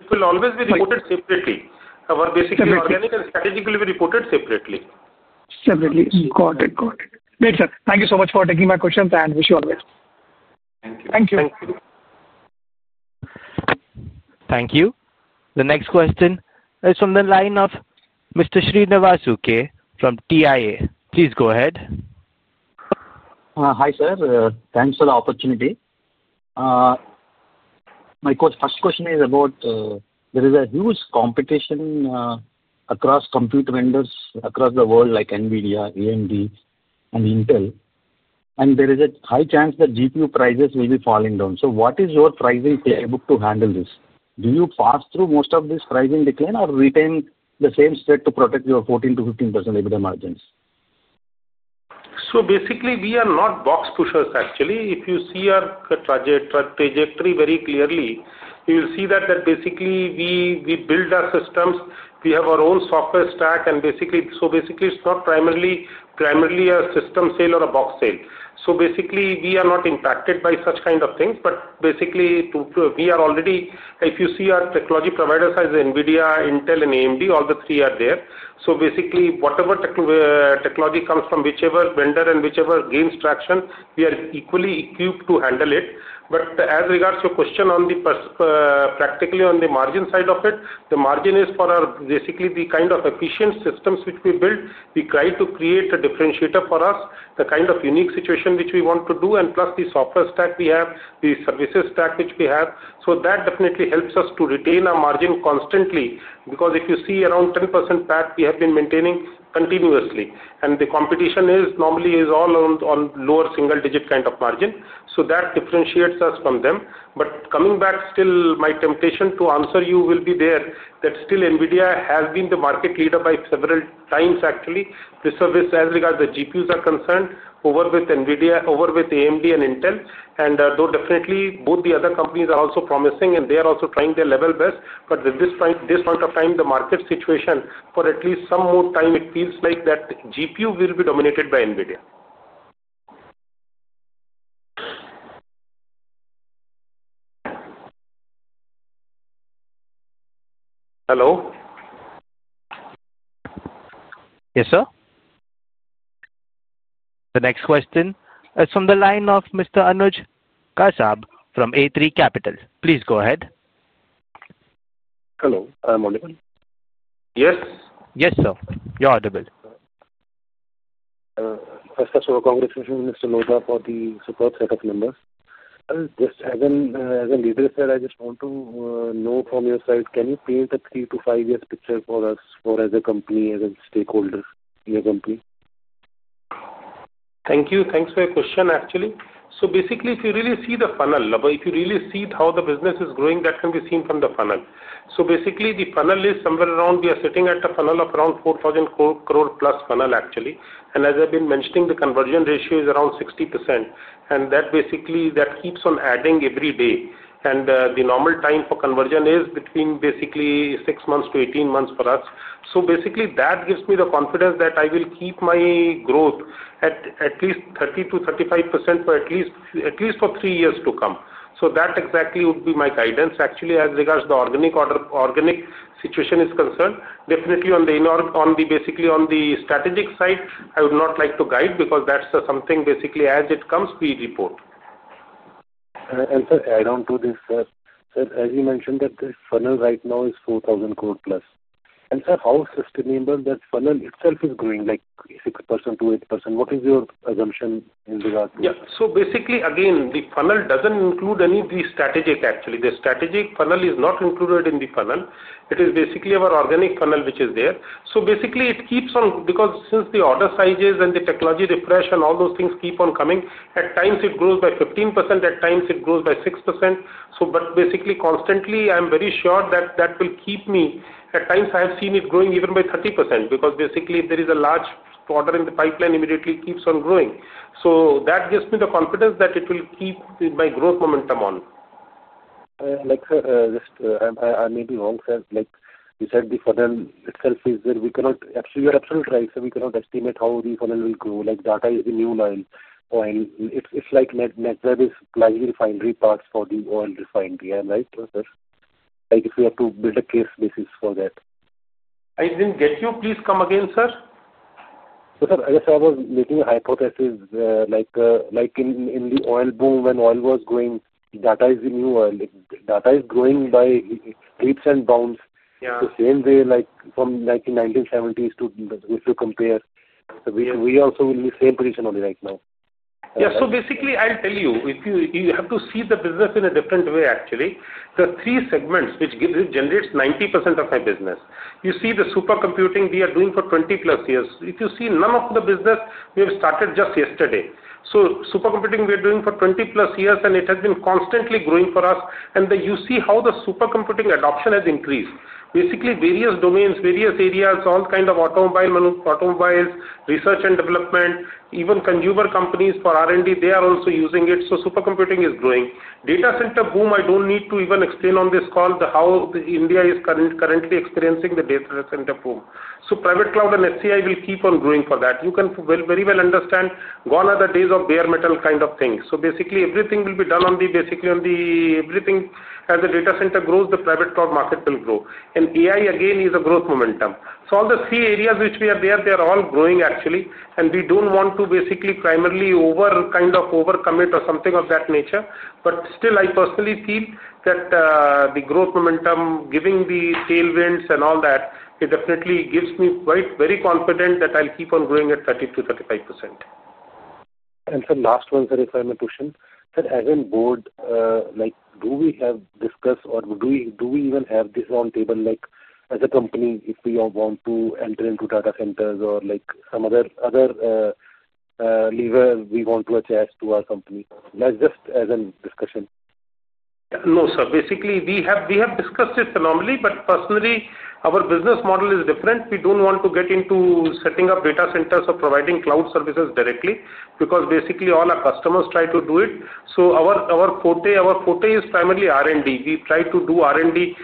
It will always be reported separately. Our basically organic and strategic will be reported separately. Separately. Got it. Got it. Great, sir. Thank you so much for taking my questions and wish you all the best. Thank you. Thank you. Thank you. The next question is from the line of Mr. Sri Devasuke from TIA. Please go ahead. Hi, sir. Thanks for the opportunity. My first question is about there is a huge competition across compute vendors across the world like NVIDIA, AMD, and Intel. And there is a high chance that GPU prices will be falling down. What is your pricing playbook to handle this? Do you pass through most of this pricing decline or retain the same spread to protect your 14%-15% EBITDA margins? Basically, we are not box pushers, actually. If you see our trajectory very clearly, you'll see that we build our systems. We have our own software stack. Basically, it's not primarily a system sale or a box sale. We are not impacted by such kind of things. We are already, if you see our technology providers as NVIDIA, Intel, and AMD, all three are there. Whatever technology comes from whichever vendor and whichever gains traction, we are equally equipped to handle it. As regards to your question on the margin side of it, the margin is for the kind of efficient systems which we built. We try to create a differentiator for us, the kind of unique situation which we want to do, and plus the software stack we have, the services stack which we have. That definitely helps us to retain our margin constantly. If you see around 10% PAT, we have been maintaining continuously. The competition normally is all on lower single-digit kind of margin. That differentiates us from them. Coming back still, my temptation to answer you will be there that still NVIDIA has been the market leader by several times, actually. As regards to GPUs are concerned, over with NVIDIA, over with AMD and Intel. Though definitely both the other companies are also promising and they are also trying their level best, at this point of time, the market situation for at least some more time, it feels like that GPU will be dominated by NVIDIA. Hello? Yes, sir. The next question is from the line of Mr. Anuj Kashyap from A3 Capital. Please go ahead. Hello. Am I audible? Yes. Yes, sir. You're audible. First of all, congratulations Mr. Lodha for the support set of numbers. Just as a leader said, I just want to know from your side, can you paint a three to five-year picture for us as a company, as a stakeholder in your company? Thank you. Thanks for your question, actually. Basically, if you really see the funnel, if you really see how the business is growing, that can be seen from the funnel. The funnel is somewhere around we are sitting at a funnel of around 4,000 crore plus funnel, actually. As I've been mentioning, the conversion ratio is around 60%. That basically keeps on adding every day. The normal time for conversion is between 6 months-18 months for us. That gives me the confidence that I will keep my growth at at least 30%-35% for at least three years to come. That exactly would be my guidance, actually, as regards the organic situation is concerned. Definitely, on the strategic side, I would not like to guide because that's something as it comes, we report. Sir, I don't do this, sir. Sir, as you mentioned that the funnel right now is 4,000 crore plus. Sir, how sustainable that funnel itself is growing, like 6%-8%? What is your assumption in regards to this? Yeah. Basically, again, the funnel doesn't include any of the strategic, actually. The strategic funnel is not included in the funnel. It is our organic funnel which is there. It keeps on because since the order sizes and the technology refresh and all those things keep on coming, at times it grows by 15%, at times it grows by 6%. Constantly, I'm very sure that that will keep me. At times, I have seen it growing even by 30% because there is a large order in the pipeline immediately keeps on growing. That gives me the confidence that it will keep my growth momentum on. Like, sir, just I may be wrong, sir. Like you said, the funnel itself is we cannot you are absolutely right, sir. We cannot estimate how the funnel will grow. Data is the new line. It's like Netweb is supplying refinery parts for the oil refinery. Am I right, sir? If we have to build a case basis for that. I didn't get you. Please come again, sir. Sir, I guess I was making a hypothesis like in the oil boom when oil was growing, data is the new oil. Data is growing by leaps and bounds the same way from 1970s to if you compare. We also will be in the same position only right now. Yeah. I'll tell you, you have to see the business in a different way, actually. There are three segments which generates 90% of my business. You see the supercomputing we are doing for 20 plus years. If you see, none of the business, we have started just yesterday. Supercomputing, we are doing for 20 plus years, and it has been constantly growing for us. You see how the supercomputing adoption has increased. Basically, various domains, various areas, all kinds of automobiles, research and development, even consumer companies for R&D, they are also using it. Supercomputing is growing. Data center boom, I do not need to even explain on this call how India is currently experiencing the data center boom. Private cloud and SCI will keep on growing for that. You can very well understand gone are the days of bare metal kind of things. Basically, everything will be done on the, basically, on the, everything as the data center grows, the private cloud market will grow. AI, again, is a growth momentum. All the three areas which we are there, they are all growing, actually. We do not want to basically primarily kind of overcommit or something of that nature. Still, I personally feel that the growth momentum, giving the tailwinds and all that, it definitely gives me very confident that I will keep on growing at 30%-35%. Sir, last one, sir, if I may question. Sir, as a board. Do we have discussed or do we even have this on table as a company if we want to enter into data centers or some other lever we want to attach to our company? That is just as a discussion. No, sir. Basically, we have discussed it normally, but personally, our business model is different. We do not want to get into setting up data centers or providing cloud services directly because basically all our customers try to do it. Our forte is primarily R&D. We try to do R&D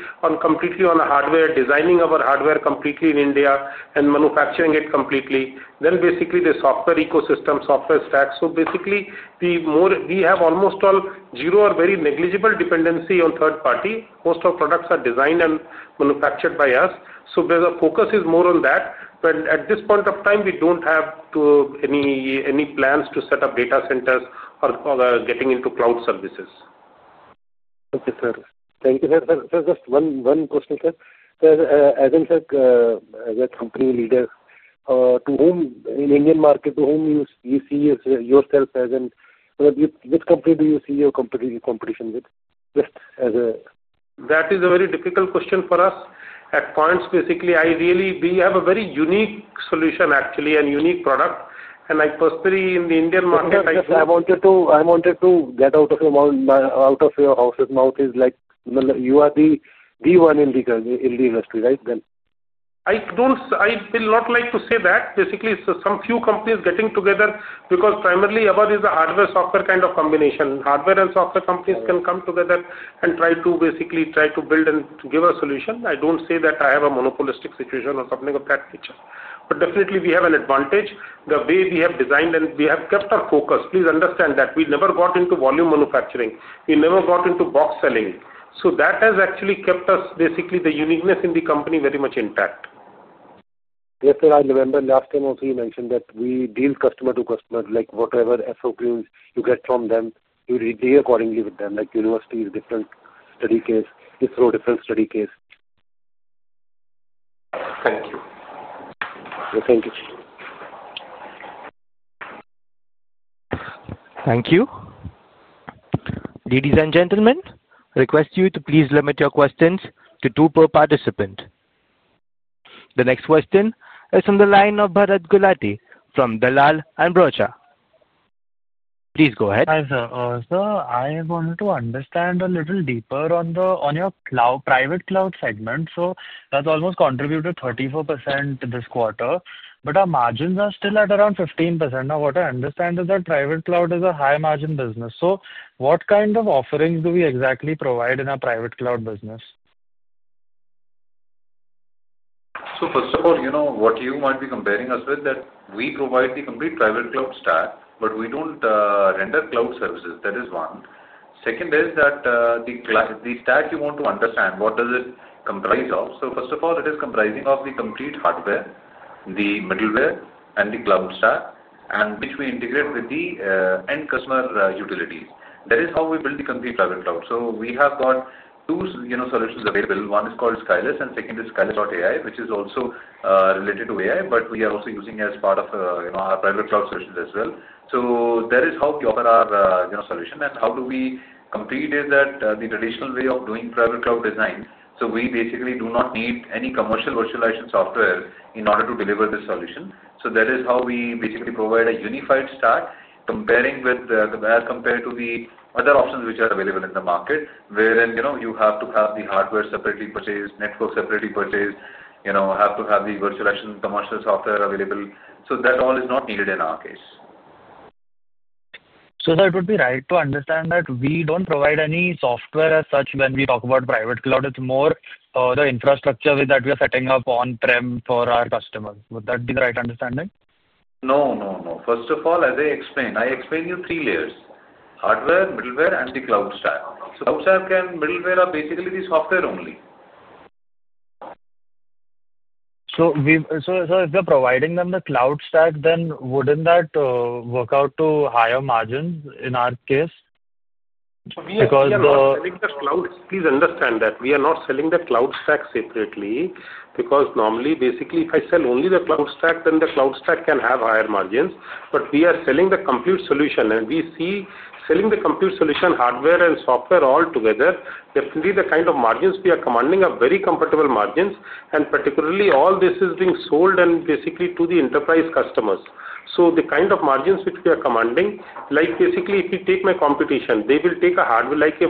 completely on our hardware, designing our hardware completely in India and manufacturing it completely. Then, basically, the software ecosystem, software stack. Basically, we have almost all zero or very negligible dependency on third party. Most of products are designed and manufactured by us. The focus is more on that. At this point of time, we do not have any plans to set up data centers or getting into cloud services. Okay, sir. Thank you, sir. Sir, just one question, sir. As a company leader in the Indian market, to whom you see yourself as an, which company do you see your competition with? Just as a, that is a very difficult question for us. At points, basically, we have a very unique solution, actually, and unique product. I personally, in the Indian market, I think, I wanted to get out of your house's mouth is like you are the one in the industry, right? I will not like to say that. Basically, some few companies getting together because primarily ABBA is a hardware-software kind of combination. Hardware and software companies can come together and try to basically build and give a solution. I do not say that I have a monopolistic situation or something of that nature. However, we definitely have an advantage. The way we have designed and we have kept our focus, please understand that we never got into volume manufacturing. We never got into box selling. That has actually kept the uniqueness in the company very much intact. Yes, sir. I remember last time also you mentioned that we deal customer to customer, like whatever SOPs you get from them, you deal accordingly with them. Like university is a different study case. It is a different study case. Thank you. Thank you. Thank you. Ladies and gentlemen, request you to please limit your questions to two per participant. The next question is from the line of Bharat Gulati from Dalal and Broacha. Please go ahead. Hi, sir. Sir, I wanted to understand a little deeper on your private cloud segment. That’s almost contributed 34% this quarter. Our margins are still at around 15%. Now, what I understand is that private cloud is a high-margin business. What kind of offerings do we exactly provide in our private cloud business? First of all, what you might be comparing us with is that we provide the complete private cloud stack, but we do not render cloud services. That is one. Second is that the stack you want to understand, what does it comprise of? First of all, it is comprising of the complete hardware, the middleware, and the cloud stack, which we integrate with the end customer utilities. That is how we build the complete private cloud. We have got two solutions available. One is called Skylus, and the second is Skylus.ai, which is also related to AI, but we are also using it as part of our private cloud solutions as well. That is how we offer our solution. How we complete is that the traditional way of doing private cloud design, we basically do not need any commercial virtualization software in order to deliver this solution. That is how we basically provide a unified stack compared to the other options which are available in the market, wherein you have to have the hardware separately purchased, network separately purchased, have to have the virtualization commercial software available. That all is not needed in our case. Sir, it would be right to understand that we don't provide any software as such when we talk about private cloud. It's more the infrastructure that we are setting up on-prem for our customers. Would that be the right understanding? No, no. First of all, as I explained, I explained you three layers: hardware, middleware, and the cloud stack. Cloud stack and middleware are basically the software only. If you're providing them the cloud stack, then wouldn't that work out to higher margins in our case? We are not selling the cloud. Please understand that we are not selling the cloud stack separately because normally, basically, if I sell only the cloud stack, then the cloud stack can have higher margins. We are selling the complete solution. We see selling the complete solution, hardware and software all together, definitely the kind of margins we are commanding are very comfortable margins. Particularly, all this is being sold basically to the enterprise customers. The kind of margins which we are commanding, like basically if you take my competition, they will take a hardware, like they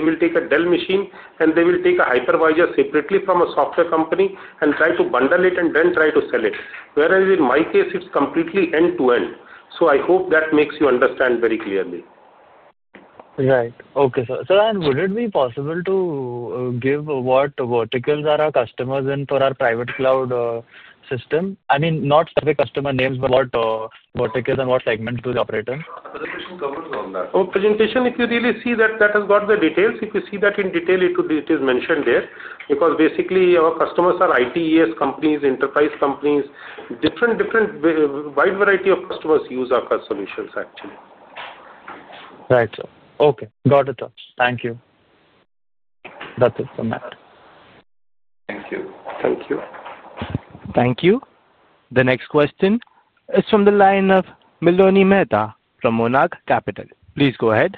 will take a Dell machine, and they will take a hypervisor separately from a software company and try to bundle it and then try to sell it. Whereas in my case, it is completely end-to-end. I hope that makes you understand very clearly. Right. Okay, sir. Sir, would it be possible to give what verticals are our customers in for our private cloud system? I mean, not specific customer names, but what verticals and what segments do the operators? Presentation covers all that. The presentation, if you really see that, that has got the details. If you see that in detail, it is mentioned there because basically our customers are ITES companies, enterprise companies, different. Wide variety of customers use our solutions, actually. Right. Okay. Got it, sir. Thank you. That's it from that. Thank you. Thank you. Thank you. The next question is from the line of Miloni Mehta from Monarch Capital. Please go ahead.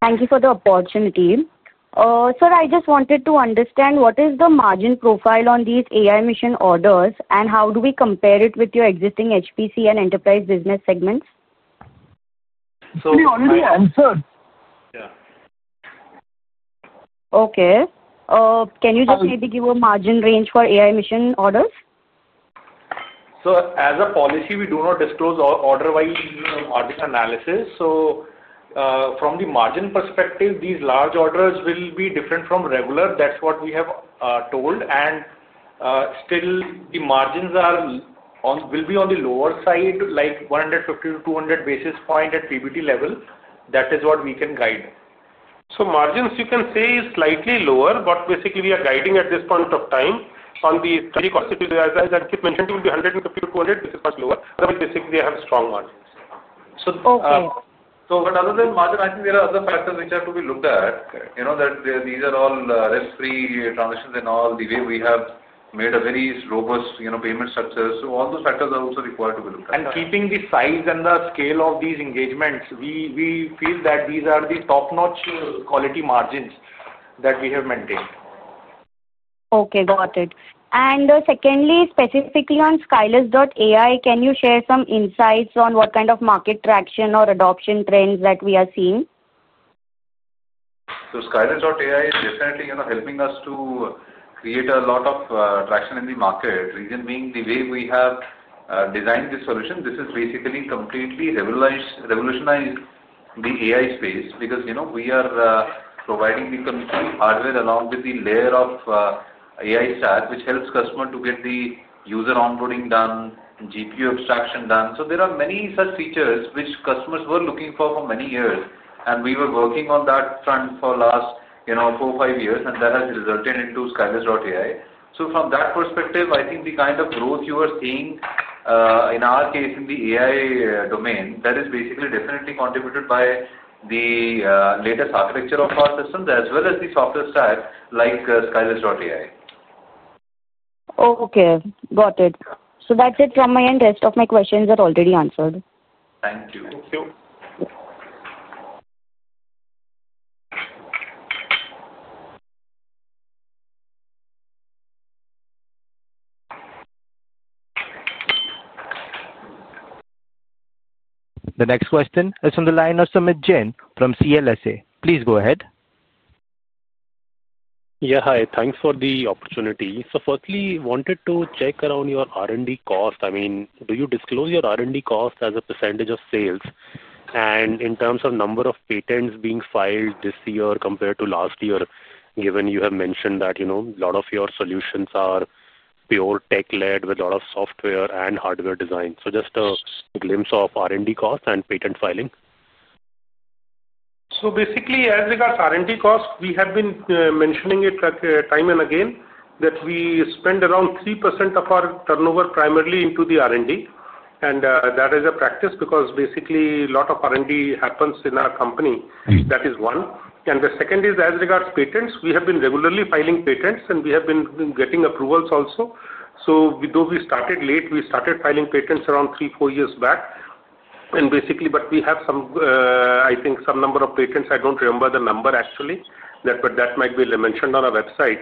Thank you for the opportunity. Sir, I just wanted to understand what is the margin profile on these AI mission orders and how do we compare it with your existing HPC and enterprise business segments? Sir, can you answer? Yeah. Okay. Can you just maybe give a margin range for AI mission orders? As a policy, we do not disclose order-wise margin analysis. From the margin perspective, these large orders will be different from regular. That is what we have told. Still, the margins will be on the lower side, like 150-200 basis points at PBT level. That is what we can guide. Margins, you can say, are slightly lower, but basically we are guiding at this point of time on the, as Ankit mentioned, it will be 150-200 basis points lower. Otherwise, basically, they have strong margins. Okay. Other than margin, I think there are other factors which have to be looked at. These are all risk-free transactions and all the way we have made a very robust payment structure. All those factors are also required to be looked at. Keeping the size and the scale of these engagements, we feel that these are the top-notch quality margins that we have maintained. Okay, got it. Secondly, specifically on Skylus.ai, can you share some insights on what kind of market traction or adoption trends that we are seeing? Skylus.ai is definitely helping us to create a lot of traction in the market. The reason being the way we have designed this solution, this has basically completely revolutionized the AI space because we are providing the complete hardware along with the layer of AI stack, which helps customers to get the user onboarding done, GPU abstraction done. There are many such features which customers were looking for for many years. We were working on that front for the last four or five years, and that has resulted into Skylus.ai. From that perspective, I think the kind of growth you are seeing in our case in the AI domain is basically definitely contributed by the latest architecture of our systems as well as the software stack like Skylus.ai. Okay. Got it. So that's it from my end. Rest of my questions are already answered. Thank you. Thank you. The next question is from the line of Sumeet Jain from CLSA. Please go ahead. Yeah, hi. Thanks for the opportunity. Firstly, wanted to check around your R&D cost. I mean, do you disclose your R&D cost as a percentage of sales? In terms of number of patents being filed this year compared to last year, given you have mentioned that a lot of your solutions are pure tech-led with a lot of software and hardware design. Just a glimpse of R&D cost and patent filing. Basically, as regards R&D cost, we have been mentioning it time and again that we spend around 3% of our turnover primarily into the R&D. That is a practice because basically a lot of R&D happens in our company. That is one. The second is, as regards patents, we have been regularly filing patents, and we have been getting approvals also. Though we started late, we started filing patents around three, four years back. Basically, we have some, I think, some number of patents. I do not remember the number, actually. That might be mentioned on our website.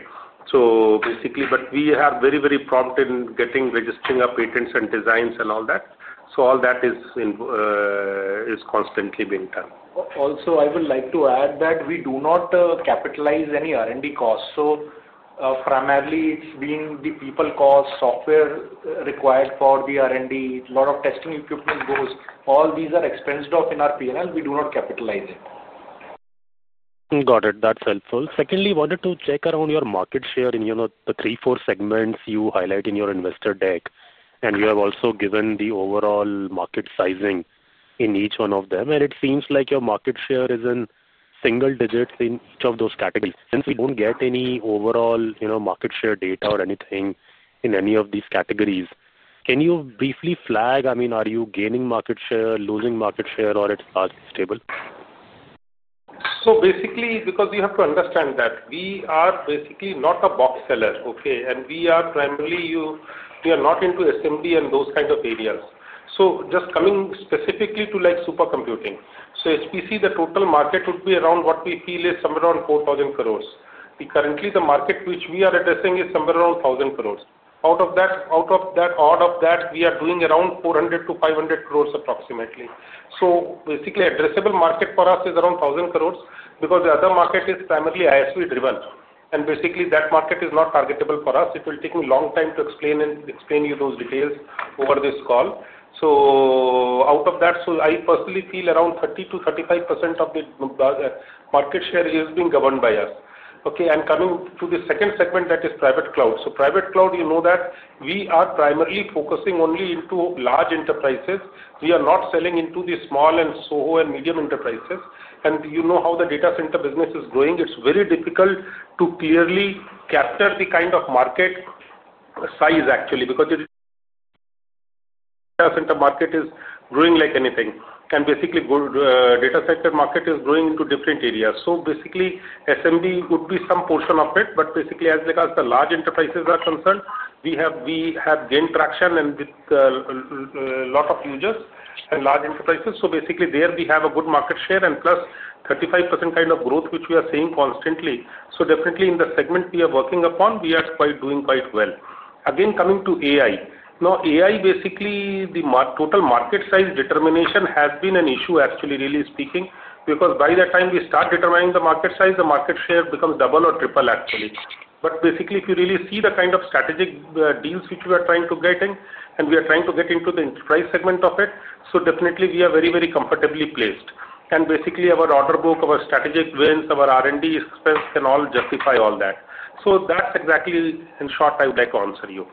Basically, we are very, very prompt in getting, registering our patents and designs and all that. All that is constantly being done. Also, I would like to add that we do not capitalize any R&D costs. Primarily, it's being the people cost, software required for the R&D, a lot of testing equipment goes. All these are expensed off in our P&L. We do not capitalize it. Got it. That's helpful. Secondly, wanted to check around your market share in the three, four segments you highlight in your investor deck. You have also given the overall market sizing in each one of them. It seems like your market share is in single digits in each of those categories. Since we do not get any overall market share data or anything in any of these categories, can you briefly flag, I mean, are you gaining market share, losing market share, or is it stable? Basically, because you have to understand that we are basically not a box seller, okay? We are primarily, you are not into SMB and those kind of areas. Just coming specifically to supercomputing. HPC, the total market would be around what we feel is somewhere around 4,000 crore. Currently, the market which we are addressing is somewhere around 1,000 crore. Out of that, we are doing around 400-500 crore approximately. Basically, addressable market for us is around 1,000 crore because the other market is primarily ISV-driven. Basically, that market is not targetable for us. It will take me a long time to explain you those details over this call. Out of that, I personally feel around 30-35% of the market share is being governed by us, okay. Coming to the second segment, that is private cloud. Private cloud, you know that we are primarily focusing only into large enterprises. We are not selling into the small and SOHO and medium enterprises. You know how the data center business is growing. It's very difficult to clearly capture the kind of market size, actually, because the data center market is growing like anything. Basically, data center market is growing into different areas. SMB would be some portion of it, but basically, as regards the large enterprises are concerned, we have gained traction with a lot of users and large enterprises. There we have a good market share and plus 35% kind of growth, which we are seeing constantly. Definitely, in the segment we are working upon, we are doing quite well. Again, coming to AI. Now, AI, basically, the total market size determination has been an issue, actually, really speaking, because by the time we start determining the market size, the market share becomes double or triple, actually. If you really see the kind of strategic deals which we are trying to get in, and we are trying to get into the enterprise segment of it, definitely, we are very, very comfortably placed. Basically, our order book, our strategic wins, our R&D expense can all justify all that. That's exactly, in short, I would like to answer you.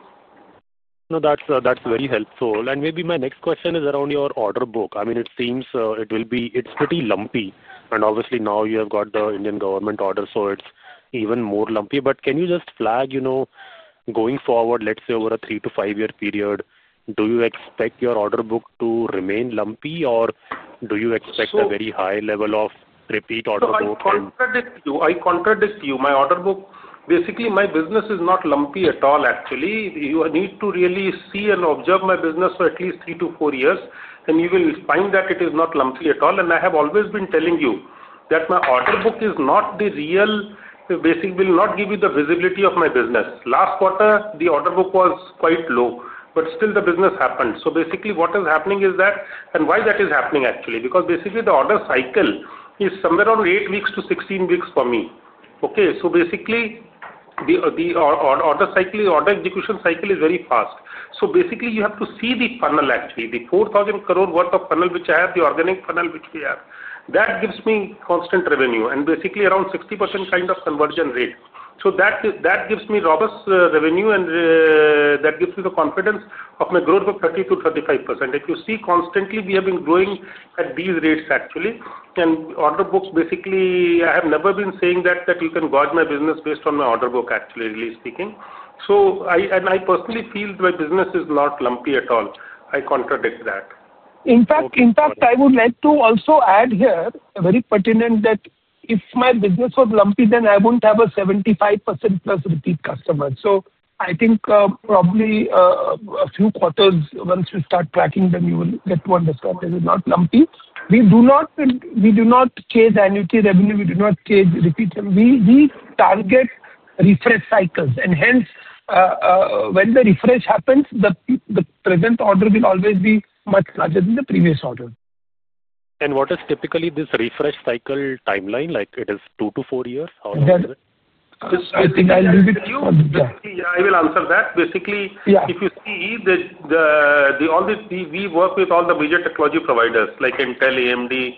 No, that's very helpful. Maybe my next question is around your order book. I mean, it seems it's pretty lumpy. Obviously, now you have got the Indian government order, so it's even more lumpy. Can you just flag, going forward, let's say over a three to five-year period, do you expect your order book to remain lumpy, or do you expect a very high level of repeat order book? I contradict you. My order book, basically, my business is not lumpy at all, actually. You need to really see and observe my business for at least three to four years, and you will find that it is not lumpy at all. I have always been telling you that my order book is not the real, basically, will not give you the visibility of my business. Last quarter, the order book was quite low, but still, the business happened. What is happening is that, and why that is happening, actually, because basically, the order cycle is somewhere around 8-16 weeks for me. Okay. The order cycle, the order execution cycle is very fast. You have to see the funnel, actually, the 4,000 crore worth of funnel, which I have, the organic funnel, which we have. That gives me constant revenue and basically around 60% kind of conversion rate. That gives me robust revenue, and that gives me the confidence of my growth of 30-35%. If you see, constantly, we have been growing at these rates, actually. Order books, basically, I have never been saying that you can gauge my business based on my order book, actually, really speaking. I personally feel my business is not lumpy at all. I contradict that. In fact, I would like to also add here, very pertinent, that if my business was lumpy, then I wouldn't have a 75% plus repeat customer. I think probably a few quarters, once you start tracking them, you will get to understand it is not lumpy. We do not chase annuity revenue. We do not chase repeat. We target refresh cycles. Hence, when the refresh happens, the present order will always be much larger than the previous order. What is typically this refresh cycle timeline? It is two to four years. How long is it? I think I'll leave it to you. Yeah, I will answer that. Basically, if you see, we work with all the major technology providers like Intel, AMD,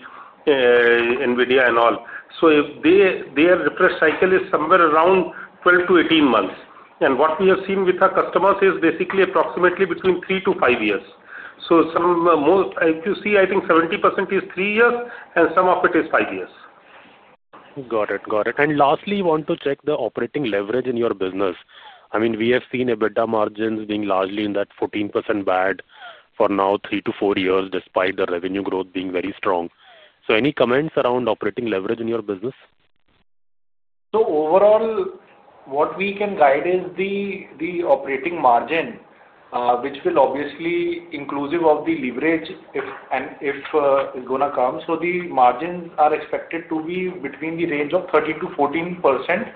NVIDIA, and all. Their refresh cycle is somewhere around 12-18 months. What we have seen with our customers is basically approximately between three to five years. If you see, I think 70% is three years, and some of it is five years. Got it. Got it. Lastly, I want to check the operating leverage in your business. I mean, we have seen EBITDA margins being largely in that 14% band for now, three to four years, despite the revenue growth being very strong. Any comments around operating leverage in your business? Overall, what we can guide is the operating margin, which will obviously, inclusive of the leverage. If it's going to come. The margins are expected to be between the range of 13-14%,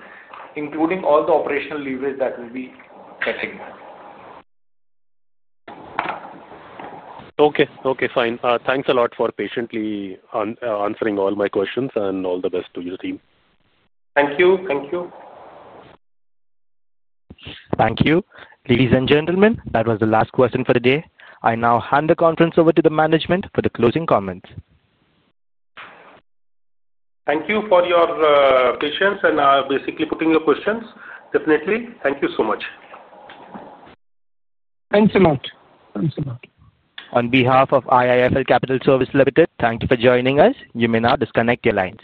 including all the operational leverage that will be affected. Okay. Okay. Fine. Thanks a lot for patiently answering all my questions and all the best to your team. Thank you. Thank you. Thank you. Ladies and gentlemen, that was the last question for the day. I now hand the conference over to the management for the closing comments. Thank you for your patience and basically putting your questions. Definitely. Thank you so much. Thanks a lot. Thanks a lot. On behalf of IIFL Capital Services Limited, thank you for joining us. You may now disconnect your lines.